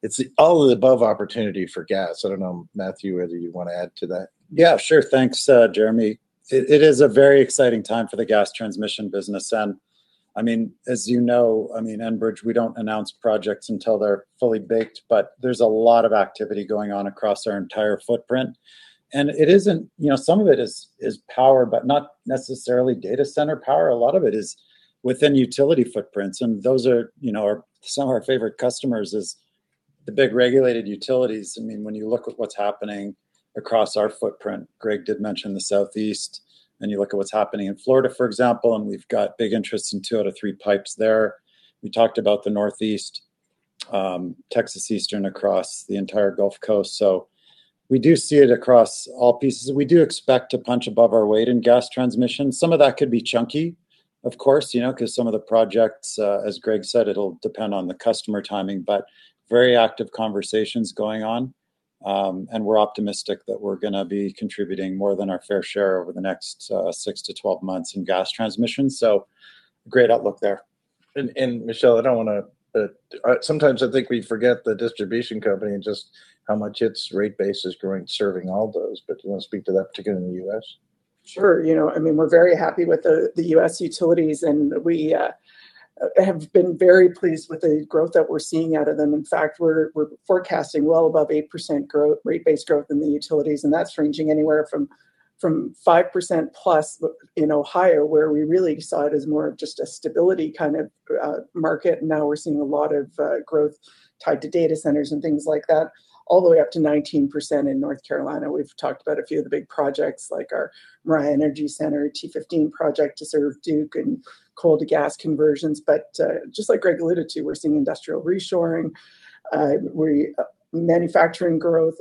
It's all of the above opportunity for gas. I don't know, Matthew, whether you want to add to that. Yeah, sure. Thanks, Jeremy. It is a very exciting time for the Gas Transmission business. As you know, Enbridge, we don't announce projects until they're fully baked, but there's a lot of activity going on across our entire footprint. Some of it is power, but not necessarily data center power. A lot of it is within utility footprints. Some of our favorite customers is the big regulated utilities. When you look at what's happening across our footprint, Greg did mention the Southeast, and you look at what's happening in Florida, for example, and we've got big interest in two out of three pipes there. We talked about the Northeast, Texas Eastern across the entire Gulf Coast. We do see it across all pieces. We do expect to punch above our weight in Gas Transmission. Some of that could be chunky, of course, because some of the projects, as Greg said, it'll depend on the customer timing, but very active conversations going on. We're optimistic that we're going to be contributing more than our fair share over the next 6-12 months in Gas Transmission. Great outlook there. Michele, sometimes I think we forget the distribution company and just how much its rate base is growing, serving all those. Do you want to speak to that, particularly in the U.S.? Sure. We're very happy with the U.S. utilities. We have been very pleased with the growth that we're seeing out of them. In fact, we're forecasting well above 8% rate base growth in the utilities. That's ranging anywhere from 5%+ in Ohio, where we really saw it as more of just a stability kind of market. Now we're seeing a lot of growth tied to data centers and things like that, all the way up to 19% in North Carolina. We've talked about a few of the big projects like our Moriah Energy Center T15 project to serve Duke Energy and coal to gas conversions. Just like Greg alluded to, we're seeing industrial reshoring, manufacturing growth.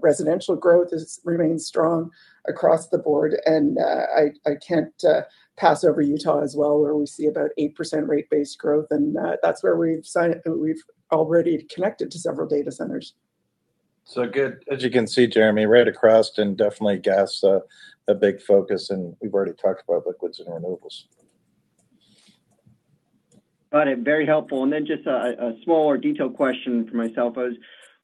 Residential growth has remained strong across the board. I can't pass over Utah as well, where we see about 8% rate base growth. That's where we've already connected to several data centers. Good. As you can see, Jeremy, right across, definitely gas a big focus, we've already talked about liquids and renewables. Got it. Very helpful. Then just a smaller detail question for myself. I was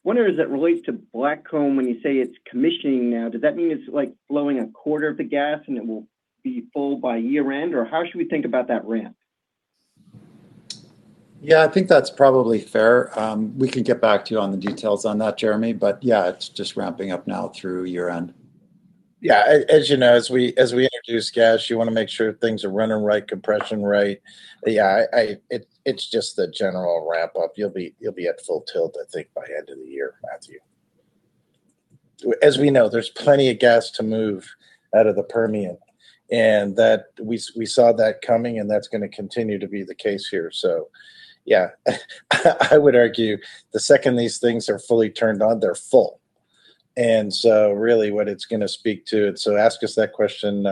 wondering, as it relates to Blackcomb, when you say it's commissioning now, does that mean it's blowing a quarter of the gas and it will be full by year-end? How should we think about that ramp? I think that's probably fair. We can get back to you on the details on that, Jeremy. It's just ramping up now through year-end. As you know, as we introduce gas, you want to make sure things are running right, compression right. It's just the general ramp up. You'll be at full tilt, I think, by end of the year, Matthew. As we know, there's plenty of gas to move out of the Permian, we saw that coming and that's going to continue to be the case here. I would argue the second these things are fully turned on, they're full. Really what it's going to speak to, ask us that question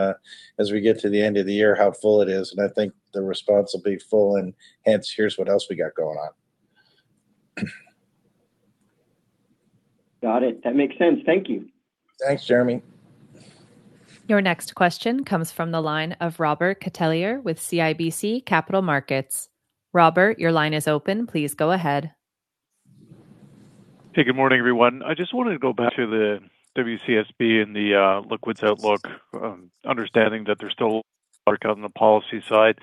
as we get to the end of the year, how full it is, I think the response will be full, hence, here's what else we got going on. Got it. That makes sense. Thank you. Thanks, Jeremy. Your next question comes from the line of Robert Catellier with CIBC Capital Markets. Robert, your line is open. Please go ahead. Hey, good morning, everyone. I just wanted to go back to the WCSB and the liquids outlook, understanding that there's still work on the policy side.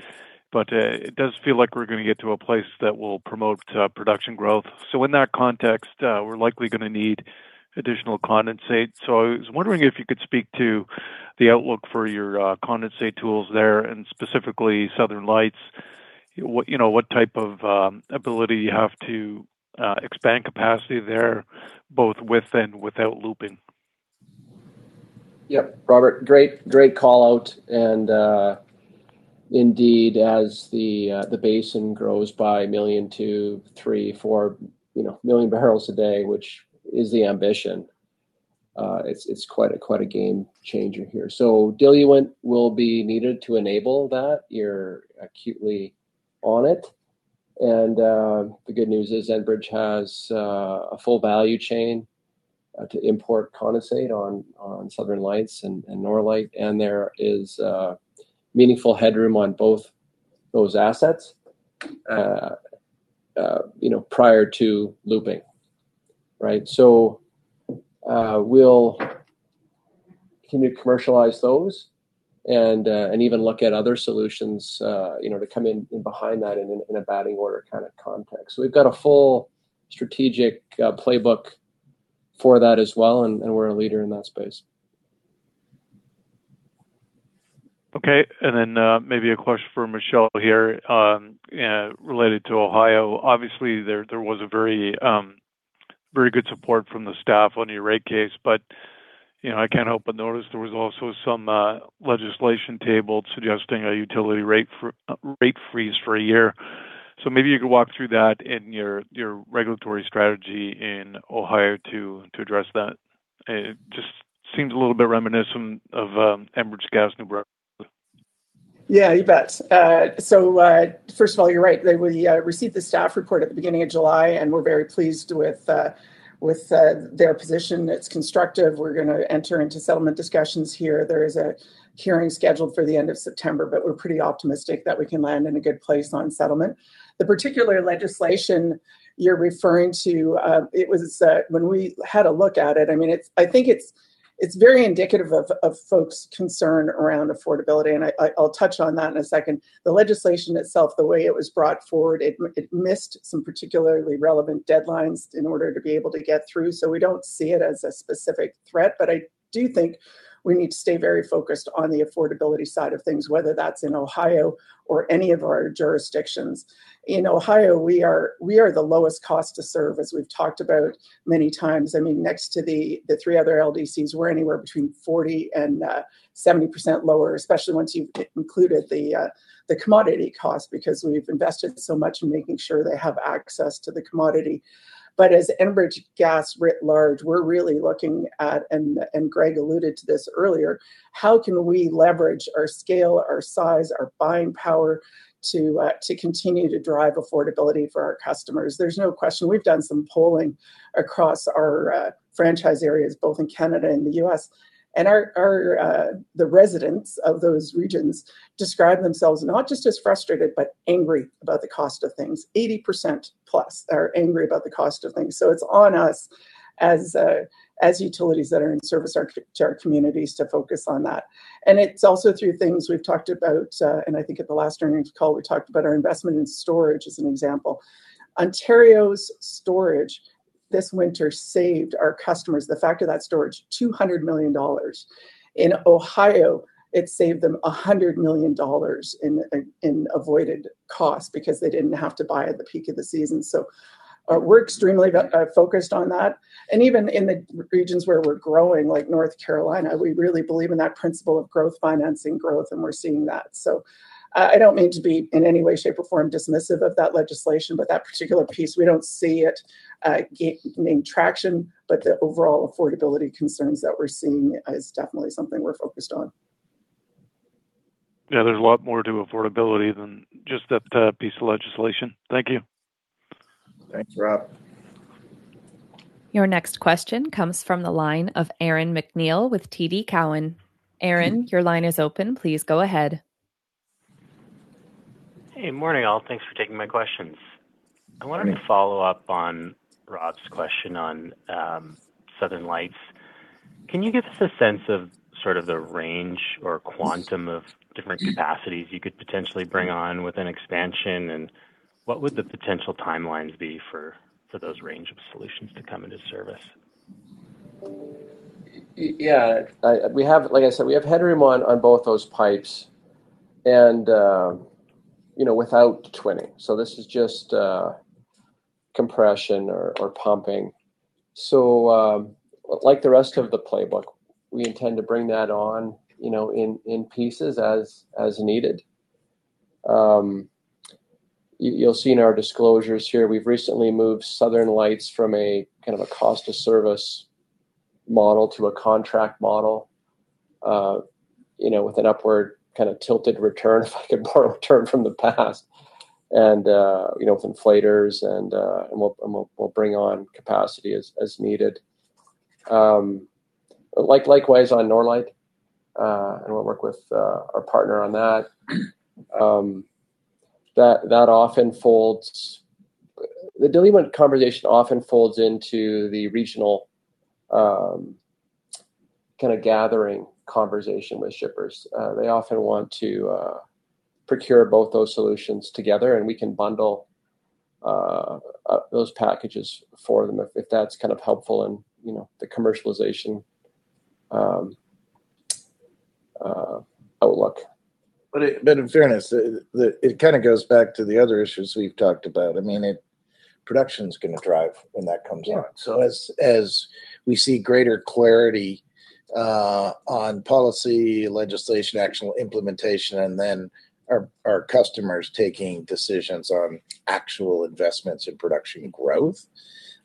It does feel like we're going to get to a place that will promote production growth. In that context, we're likely going to need additional condensate. I was wondering if you could speak to the outlook for your condensate tolls there, and specifically Southern Lights. What type of ability you have to expand capacity there, both with and without looping? Yep. Robert, great call-out. Indeed, as the basin grows by a million, 2, 3, 4million bbl a day, which is the ambition, it's quite a game changer here. Diluent will be needed to enable that. You're acutely on it. The good news is Enbridge has a full value chain to import condensate on Southern Lights and Norlite, and there is meaningful headroom on both those assets prior to looping. Right? We'll continue to commercialize those and even look at other solutions to come in behind that in a batting order kind of context. We've got a full strategic playbook for that as well, and we're a leader in that space. Okay, then maybe a question for Michele here related to Ohio. Obviously, there was a very good support from the staff on your rate case, but I can't help but notice there was also some legislation tabled suggesting a utility rate freeze for a year. Maybe you could walk through that and your regulatory strategy in Ohio to address that. It just seems a little bit reminiscent of Enbridge Gas New Brunswick. Yeah, you bet. First of all, you're right. We received the staff report at the beginning of July, and we're very pleased with their position. It's constructive. We're going to enter into settlement discussions here. There is a hearing scheduled for the end of September, but we're pretty optimistic that we can land in a good place on settlement. The particular legislation you're referring to, when we had a look at it, I think it's very indicative of folks' concern around affordability, and I'll touch on that in a second. The legislation itself, the way it was brought forward, it missed some particularly relevant deadlines in order to be able to get through. We don't see it as a specific threat, but I do think we need to stay very focused on the affordability side of things, whether that's in Ohio or any of our jurisdictions. In Ohio, we are the lowest cost to serve, as we've talked about many times. Next to the three other LDCs, we're anywhere between 40% and 70% lower, especially once you've included the commodity cost because we've invested so much in making sure they have access to the commodity. As Enbridge Gas writ large, we're really looking at, and Greg alluded to this earlier, how can we leverage our scale, our size, our buying power to continue to drive affordability for our customers? There's no question. We've done some polling across our franchise areas, both in Canada and the U.S., and the residents of those regions describe themselves not just as frustrated, but angry about the cost of things. 80%+ are angry about the cost of things. It's on us as utilities that are in service to our communities to focus on that. It's also through things we've talked about, and I think at the last earnings call, we talked about our investment in storage as an example. Ontario's storage this winter saved our customers, the fact of that storage, 200 million dollars. In Ohio, it saved them 100 million dollars in avoided cost because they didn't have to buy at the peak of the season. We're extremely focused on that. Even in the regions where we're growing, like North Carolina, we really believe in that principle of growth, financing growth, and we're seeing that. I don't mean to be in any way, shape, or form dismissive of that legislation, but that particular piece, we don't see it gaining traction, but the overall affordability concerns that we're seeing is definitely something we're focused on. Yeah, there's a lot more to affordability than just that piece of legislation. Thank you. Thanks, Rob. Your next question comes from the line of Aaron MacNeil with TD Cowen. Aaron, your line is open. Please go ahead. Hey, morning, all. Thanks for taking my questions. Morning. I wanted to follow up on Rob's question on Southern Lights. Can you give us a sense of sort of the range or quantum of different capacities you could potentially bring on with an expansion, and what would the potential timelines be for those range of solutions to come into service? Yeah. Like I said, we have headroom on both those pipes and without twinning. This is just compression or pumping. So like the rest of the playbook, we intend to bring that on in pieces as needed. You'll see in our disclosures here, we've recently moved Southern Lights from a kind of a cost to service model to a contract model with an upward kind of tilted return, if I can borrow a term from the past, with inflators. We'll bring on capacity as needed. Likewise on Norlite. We'll work with our partner on that. The delivery conversation often folds into the regional kind of gathering conversation with shippers. They often want to procure both those solutions together. We can bundle those packages for them if that's kind of helpful in the commercialization outlook. In fairness, it kind of goes back to the other issues we've talked about. Production's going to drive when that comes on. As we see greater clarity on policy, legislation, actual implementation, and then our customers taking decisions on actual investments in production growth,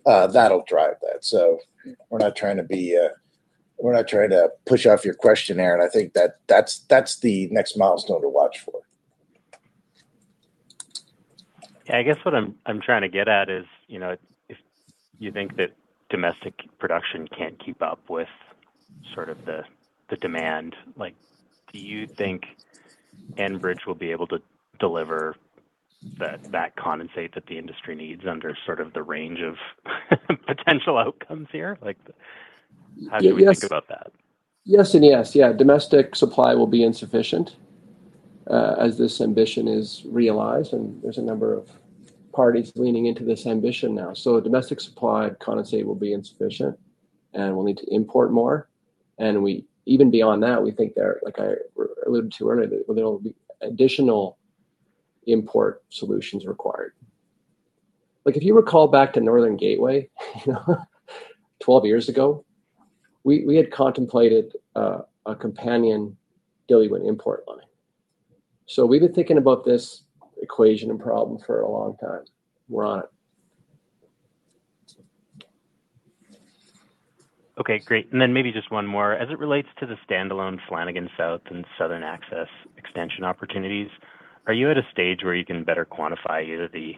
that'll drive that. We're not trying to be. We're not trying to push off your question, Aaron. I think that's the next milestone to watch for. I guess what I'm trying to get at is, if you think that domestic production can't keep up with the demand, do you think Enbridge will be able to deliver that condensate that the industry needs under the range of potential outcomes here? How do we think about that? Yes and yes. Domestic supply will be insufficient as this ambition is realized, and there's a number of parties leaning into this ambition now. Domestic supply condensate will be insufficient, and we'll need to import more. Even beyond that, we think there, like I alluded to earlier, there will be additional import solutions required. If you recall back to Northern Gateway 12 years ago, we had contemplated a companion diluent import line. We've been thinking about this equation and problem for a long time. We're on it. Okay, great. Maybe just one more. As it relates to the standalone Flanagan South and Southern Access expansion opportunities, are you at a stage where you can better quantify either the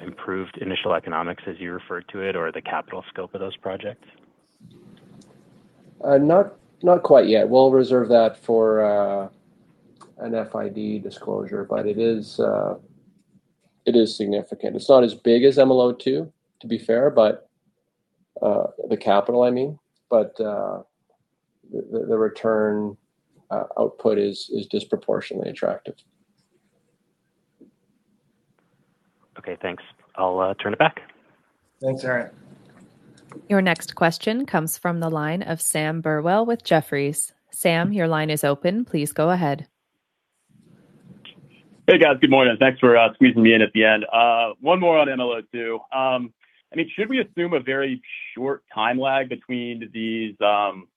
improved initial economics, as you refer to it, or the capital scope of those projects? Not quite yet. We'll reserve that for an FID disclosure, it is significant. It's not as big as MLO2, to be fair, the capital, I mean, the return output is disproportionately attractive. Okay, thanks. I'll turn it back. Thanks, Aaron. Your next question comes from the line of Sam Burwell with Jefferies. Sam, your line is open. Please go ahead. Hey, guys. Good morning. Thanks for squeezing me in at the end. One more on MLO2. Should we assume a very short time lag between these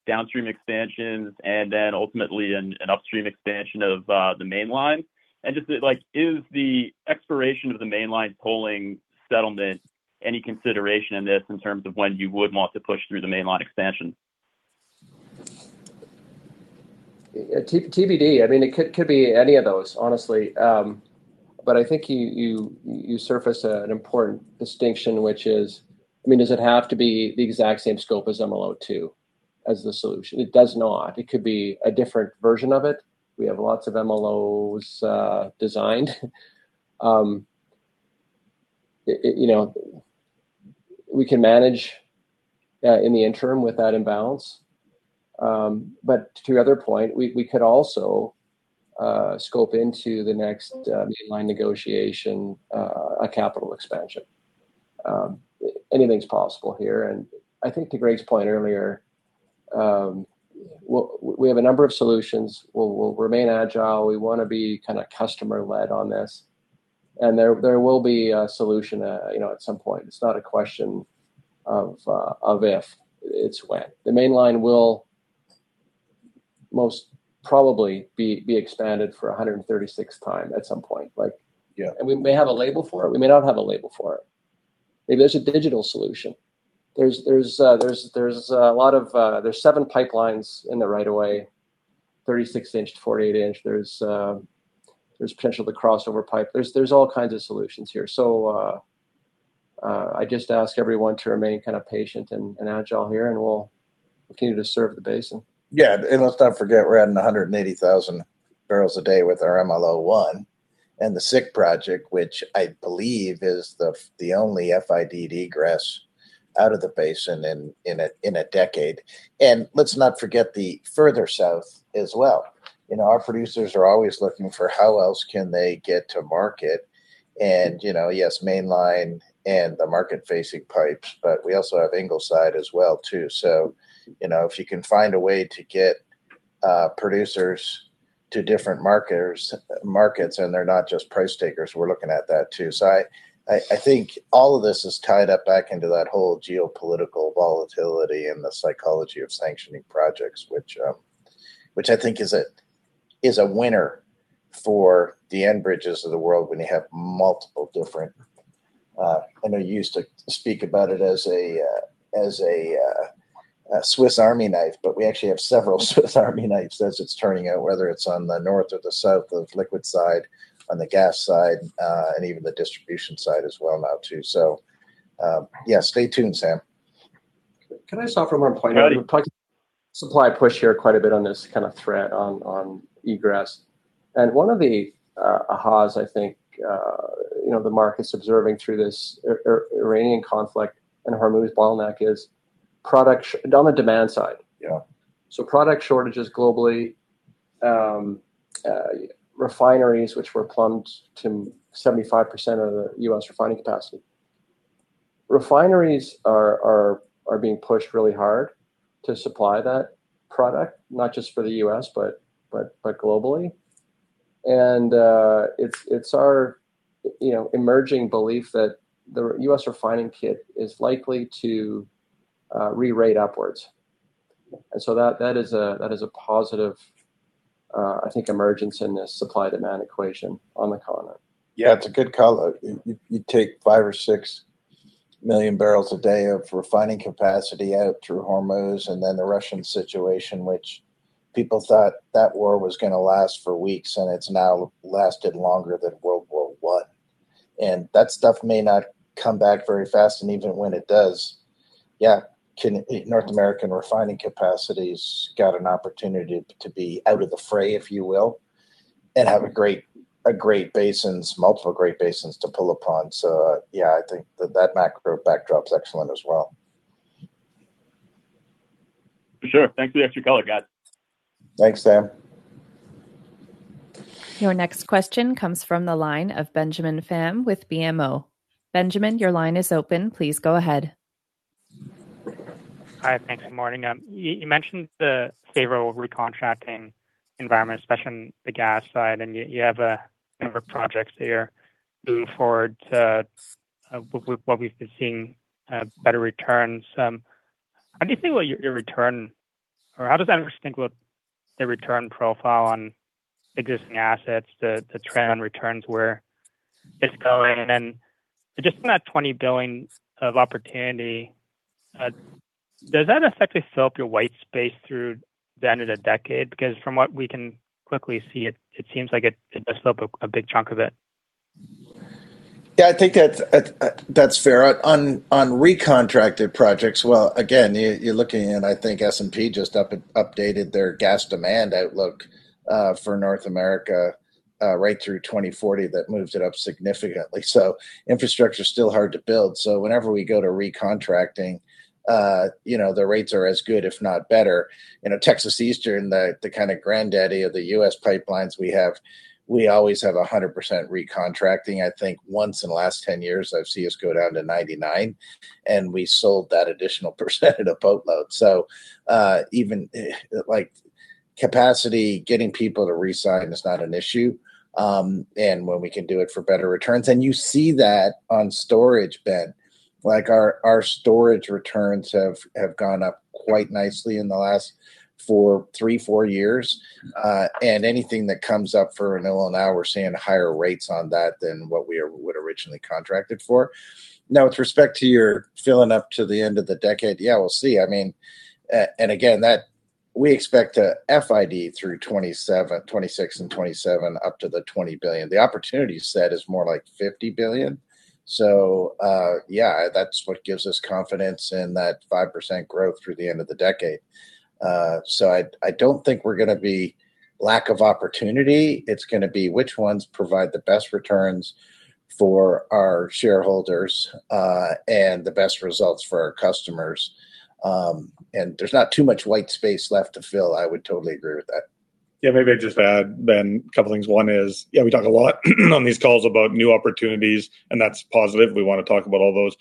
downstream expansions and then ultimately an upstream expansion of the Mainline? Just, is the expiration of the Mainline tolling settlement any consideration in this in terms of when you would want to push through the Mainline expansion? TBD. It could be any of those, honestly. But I think you surface an important distinction, which is, does it have to be the exact same scope as MLO2 as the solution? It does not. It could be a different version of it. We have lots of MLOs designed. We can manage in the interim with that imbalance. But to your other point, we could also scope into the next Mainline negotiation a capital expansion. Anything's possible here. I think to Greg's point earlier, we have a number of solutions. We'll remain agile. We want to be customer-led on this. There will be a solution at some point. It's not a question of if, it's when. The Mainline will most probably be expanded for 136th time at some point. Yeah. We may have a label for it, we may not have a label for it. Maybe there's a digital solution. There's seven pipelines in the right of way, 36 in-48 in. There's potential to crossover pipe. There's all kinds of solutions here. I just ask everyone to remain patient and agile here, and we'll continue to serve the basin. Yeah. Let's not forget we're adding 180,000 bbl a day with our MLO1 and the Southern Illinois Connector Project, which I believe is the only FID egress out of the basin in a decade. Let's not forget the further south as well. Our producers are always looking for how else can they get to market. Yes, Mainline and the market-facing pipes, but we also have Ingleside as well too. If you can find a way to get producers to different markets, and they're not just price takers, we're looking at that too. I think all of this is tied up back into that whole geopolitical volatility and the psychology of sanctioning projects, which I think is a winner for the Enbridges of the world when you have multiple different I know you used to speak about it as a Swiss Army knife, but we actually have several Swiss Army knives as it's turning out, whether it's on the north or the south of liquid side, on the gas side, and even the distribution side as well now too. Yeah, stay tuned, Sam. Can I start from one point? Go ahead. Supply push here quite a bit on this thread on egress. One of the ahas, I think, the market's observing through this Iranian conflict and Hormuz bottleneck is on the demand side. Yeah. Product shortages globally, refineries, which were plumbed to 75% of the U.S. refining capacity. Refineries are being pushed really hard to supply that product, not just for the U.S., but globally. It's our emerging belief that the U.S. refining kit is likely to rerate upwards. That is a positive I think emergence in the supply-demand equation on the continent. Yeah, it's a good call. You take 5 or 6million bbl a day of refining capacity out through Hormuz and then the Russian situation, which people thought that war was going to last for weeks, it's now lasted longer than World War I. That stuff may not come back very fast, and even when it does, yeah, North American refining capacity's got an opportunity to be out of the fray, if you will, and have multiple great basins to pull upon. Yeah, I think that macro backdrop's excellent as well. For sure. Thanks for the extra color, guys. Thanks, Sam. Your next question comes from the line of Benjamin Pham with BMO. Benjamin, your line is open. Please go ahead. Hi, thanks. Good morning. You mentioned the favorable recontracting environment, especially on the gas side, and you have a number of projects here moving forward, what we've been seeing better returns. How does an investor think about the return profile on existing assets, the trend on returns, where it's going? Just on that 20 billion of opportunity, does that effectively fill up your white space through the end of the decade? Because from what we can quickly see, it seems like it does fill up a big chunk of it. Yeah, I think that's fair. On recontracted projects, well, again, you're looking at, I think S&P Global just updated their gas demand outlook for North America right through 2040 that moves it up significantly. Infrastructure's still hard to build, so whenever we go to recontracting, the rates are as good if not better. Texas Eastern, the kind of granddaddy of the U.S. pipelines we have, we always have 100% recontracting. I think once in the last 10 years I've seen us go down to 99, we sold that additional percentage of boatload. Capacity, getting people to re-sign is not an issue. When we can do it for better returns. You see that on storage, Ben. Our storage returns have gone up quite nicely in the last three, four years. Anything that comes up for renewal now, we're seeing higher rates on that than what we would originally contracted for. Now, with respect to your filling up to the end of the decade, yeah, we'll see. Again, we expect to FID through 2026 and 2027 up to the 20 billion. The opportunity set is more like 50 billion. Yeah, that's what gives us confidence in that 5% growth through the end of the decade. I don't think we're going to be lack of opportunity. It's going to be which ones provide the best returns for our shareholders, and the best results for our customers. There's not too much white space left to fill. I would totally agree with that. Yeah, maybe I'd just add, Ben, a couple things. One is, yeah, we talk a lot on these calls about new opportunities, and that's positive. We want to talk about all those,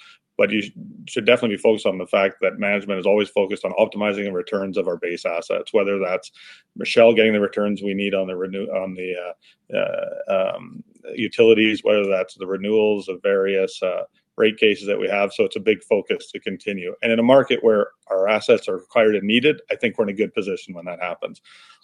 you should definitely be focused on the fact that management is always focused on optimizing the returns of our base assets, whether that's Michele getting the returns we need on the utilities, whether that's the renewals of various rate cases that we have. It's a big focus to continue. In a market where our assets are required and needed, I think we're in a good position when that happens.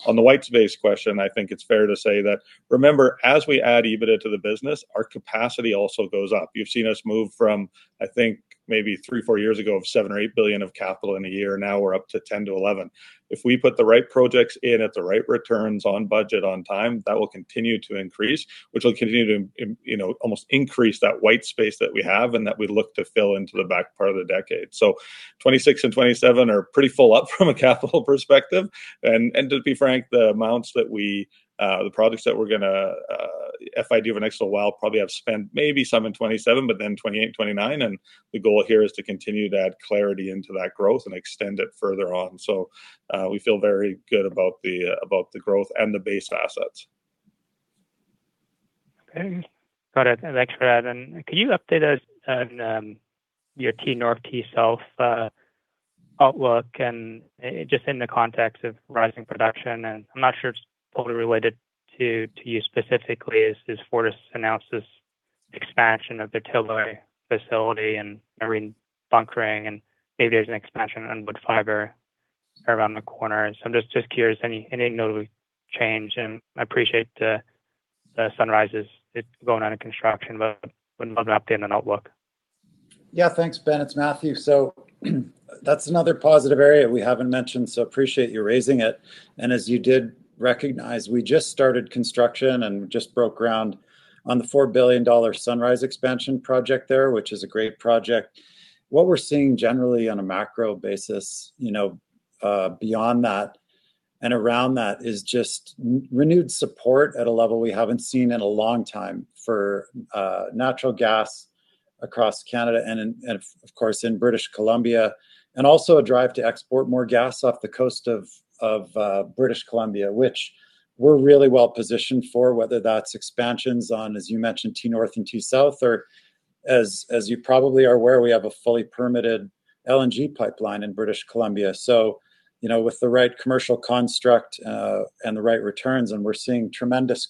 On the white space question, I think it's fair to say that, remember, as we add EBITDA to the business, our capacity also goes up. You've seen us move from, I think maybe three or four years ago, of 7 billion or 8 billion of capital in a year. Now we're up to 10 billion to 11 billion. If we put the right projects in at the right returns, on budget, on time, that will continue to increase, which will continue to almost increase that white space that we have and that we look to fill into the back part of the decade. 2026 and 2027 are pretty full up from a capital perspective. To be frank, the projects that we're going to FID over the next little while probably have spent maybe some in 2027, then 2028, 2029, the goal here is to continue to add clarity into that growth and extend it further on. We feel very good about the growth and the base assets. Okay. Got it. Thanks for that. Could you update us on your T-North, T-South outlook and just in the context of rising production? I'm not sure it's totally related to you specifically, is FortisBC's announced this expansion of their Tilbury LNG facility and marine bunkering, and maybe there's an expansion on Woodfibre LNG around the corner. I'm just curious, anything notably change? I appreciate the Sunrise Expansion Program is going on in construction, but would love an update on outlook. Yeah, thanks, Ben. It's Matthew. That's another positive area we haven't mentioned, so appreciate you raising it. As you did recognize, we just started construction and just broke ground on the 4 billion dollar Sunrise Expansion Program there, which is a great project. What we're seeing generally on a macro basis, beyond that and around that, is just renewed support at a level we haven't seen in a long time for natural gas across Canada and of course, in British Columbia. Also a drive to export more gas off the coast of British Columbia, which we're really well-positioned for, whether that's expansions on, as you mentioned, T-North and T-South, or as you probably are aware, we have a fully permitted LNG pipeline in British Columbia. With the right commercial construct, the right returns, we're seeing tremendous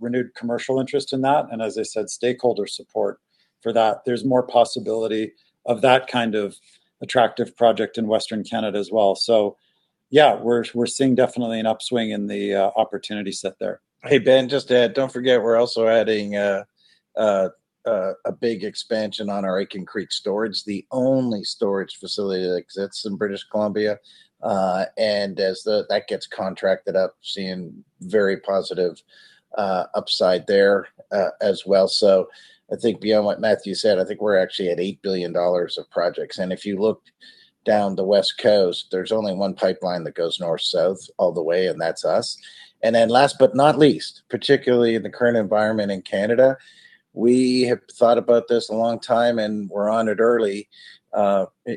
renewed commercial interest in that, as I said, stakeholder support for that. There's more possibility of that kind of attractive project in Western Canada as well. Yeah, we're seeing definitely an upswing in the opportunity set there. Hey, Ben, just to add, don't forget, we're also adding a big expansion on our Aitken Creek storage, the only storage facility that exists in British Columbia. As that gets contracted up, seeing very positive upside there as well. I think beyond what Matthew said, I think we're actually at 8 billion dollars of projects. If you look down the West Coast, there's only one pipeline that goes north-south all the way, and that's us. Then last but not least, particularly in the current environment in Canada, we have thought about this a long time, and we're on it early.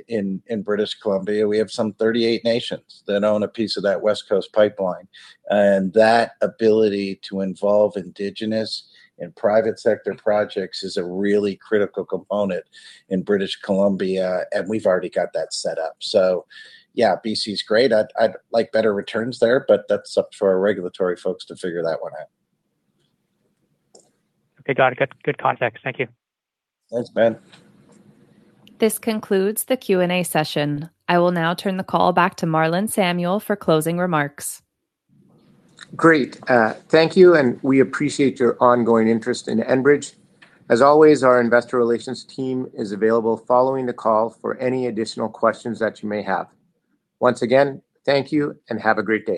In British Columbia, we have some 38 nations that own a piece of that west coast pipeline. That ability to involve indigenous and private sector projects is a really critical component in British Columbia, and we've already got that set up. Yeah, BC's great. I'd like better returns there. That's up for our regulatory folks to figure that one out. Okay, got it. Good context. Thank you. Thanks, Ben. This concludes the Q&A session. I will now turn the call back to Marlon Samuel for closing remarks. Great. Thank you. We appreciate your ongoing interest in Enbridge. As always, our investor relations team is available following the call for any additional questions that you may have. Once again, thank you and have a great day.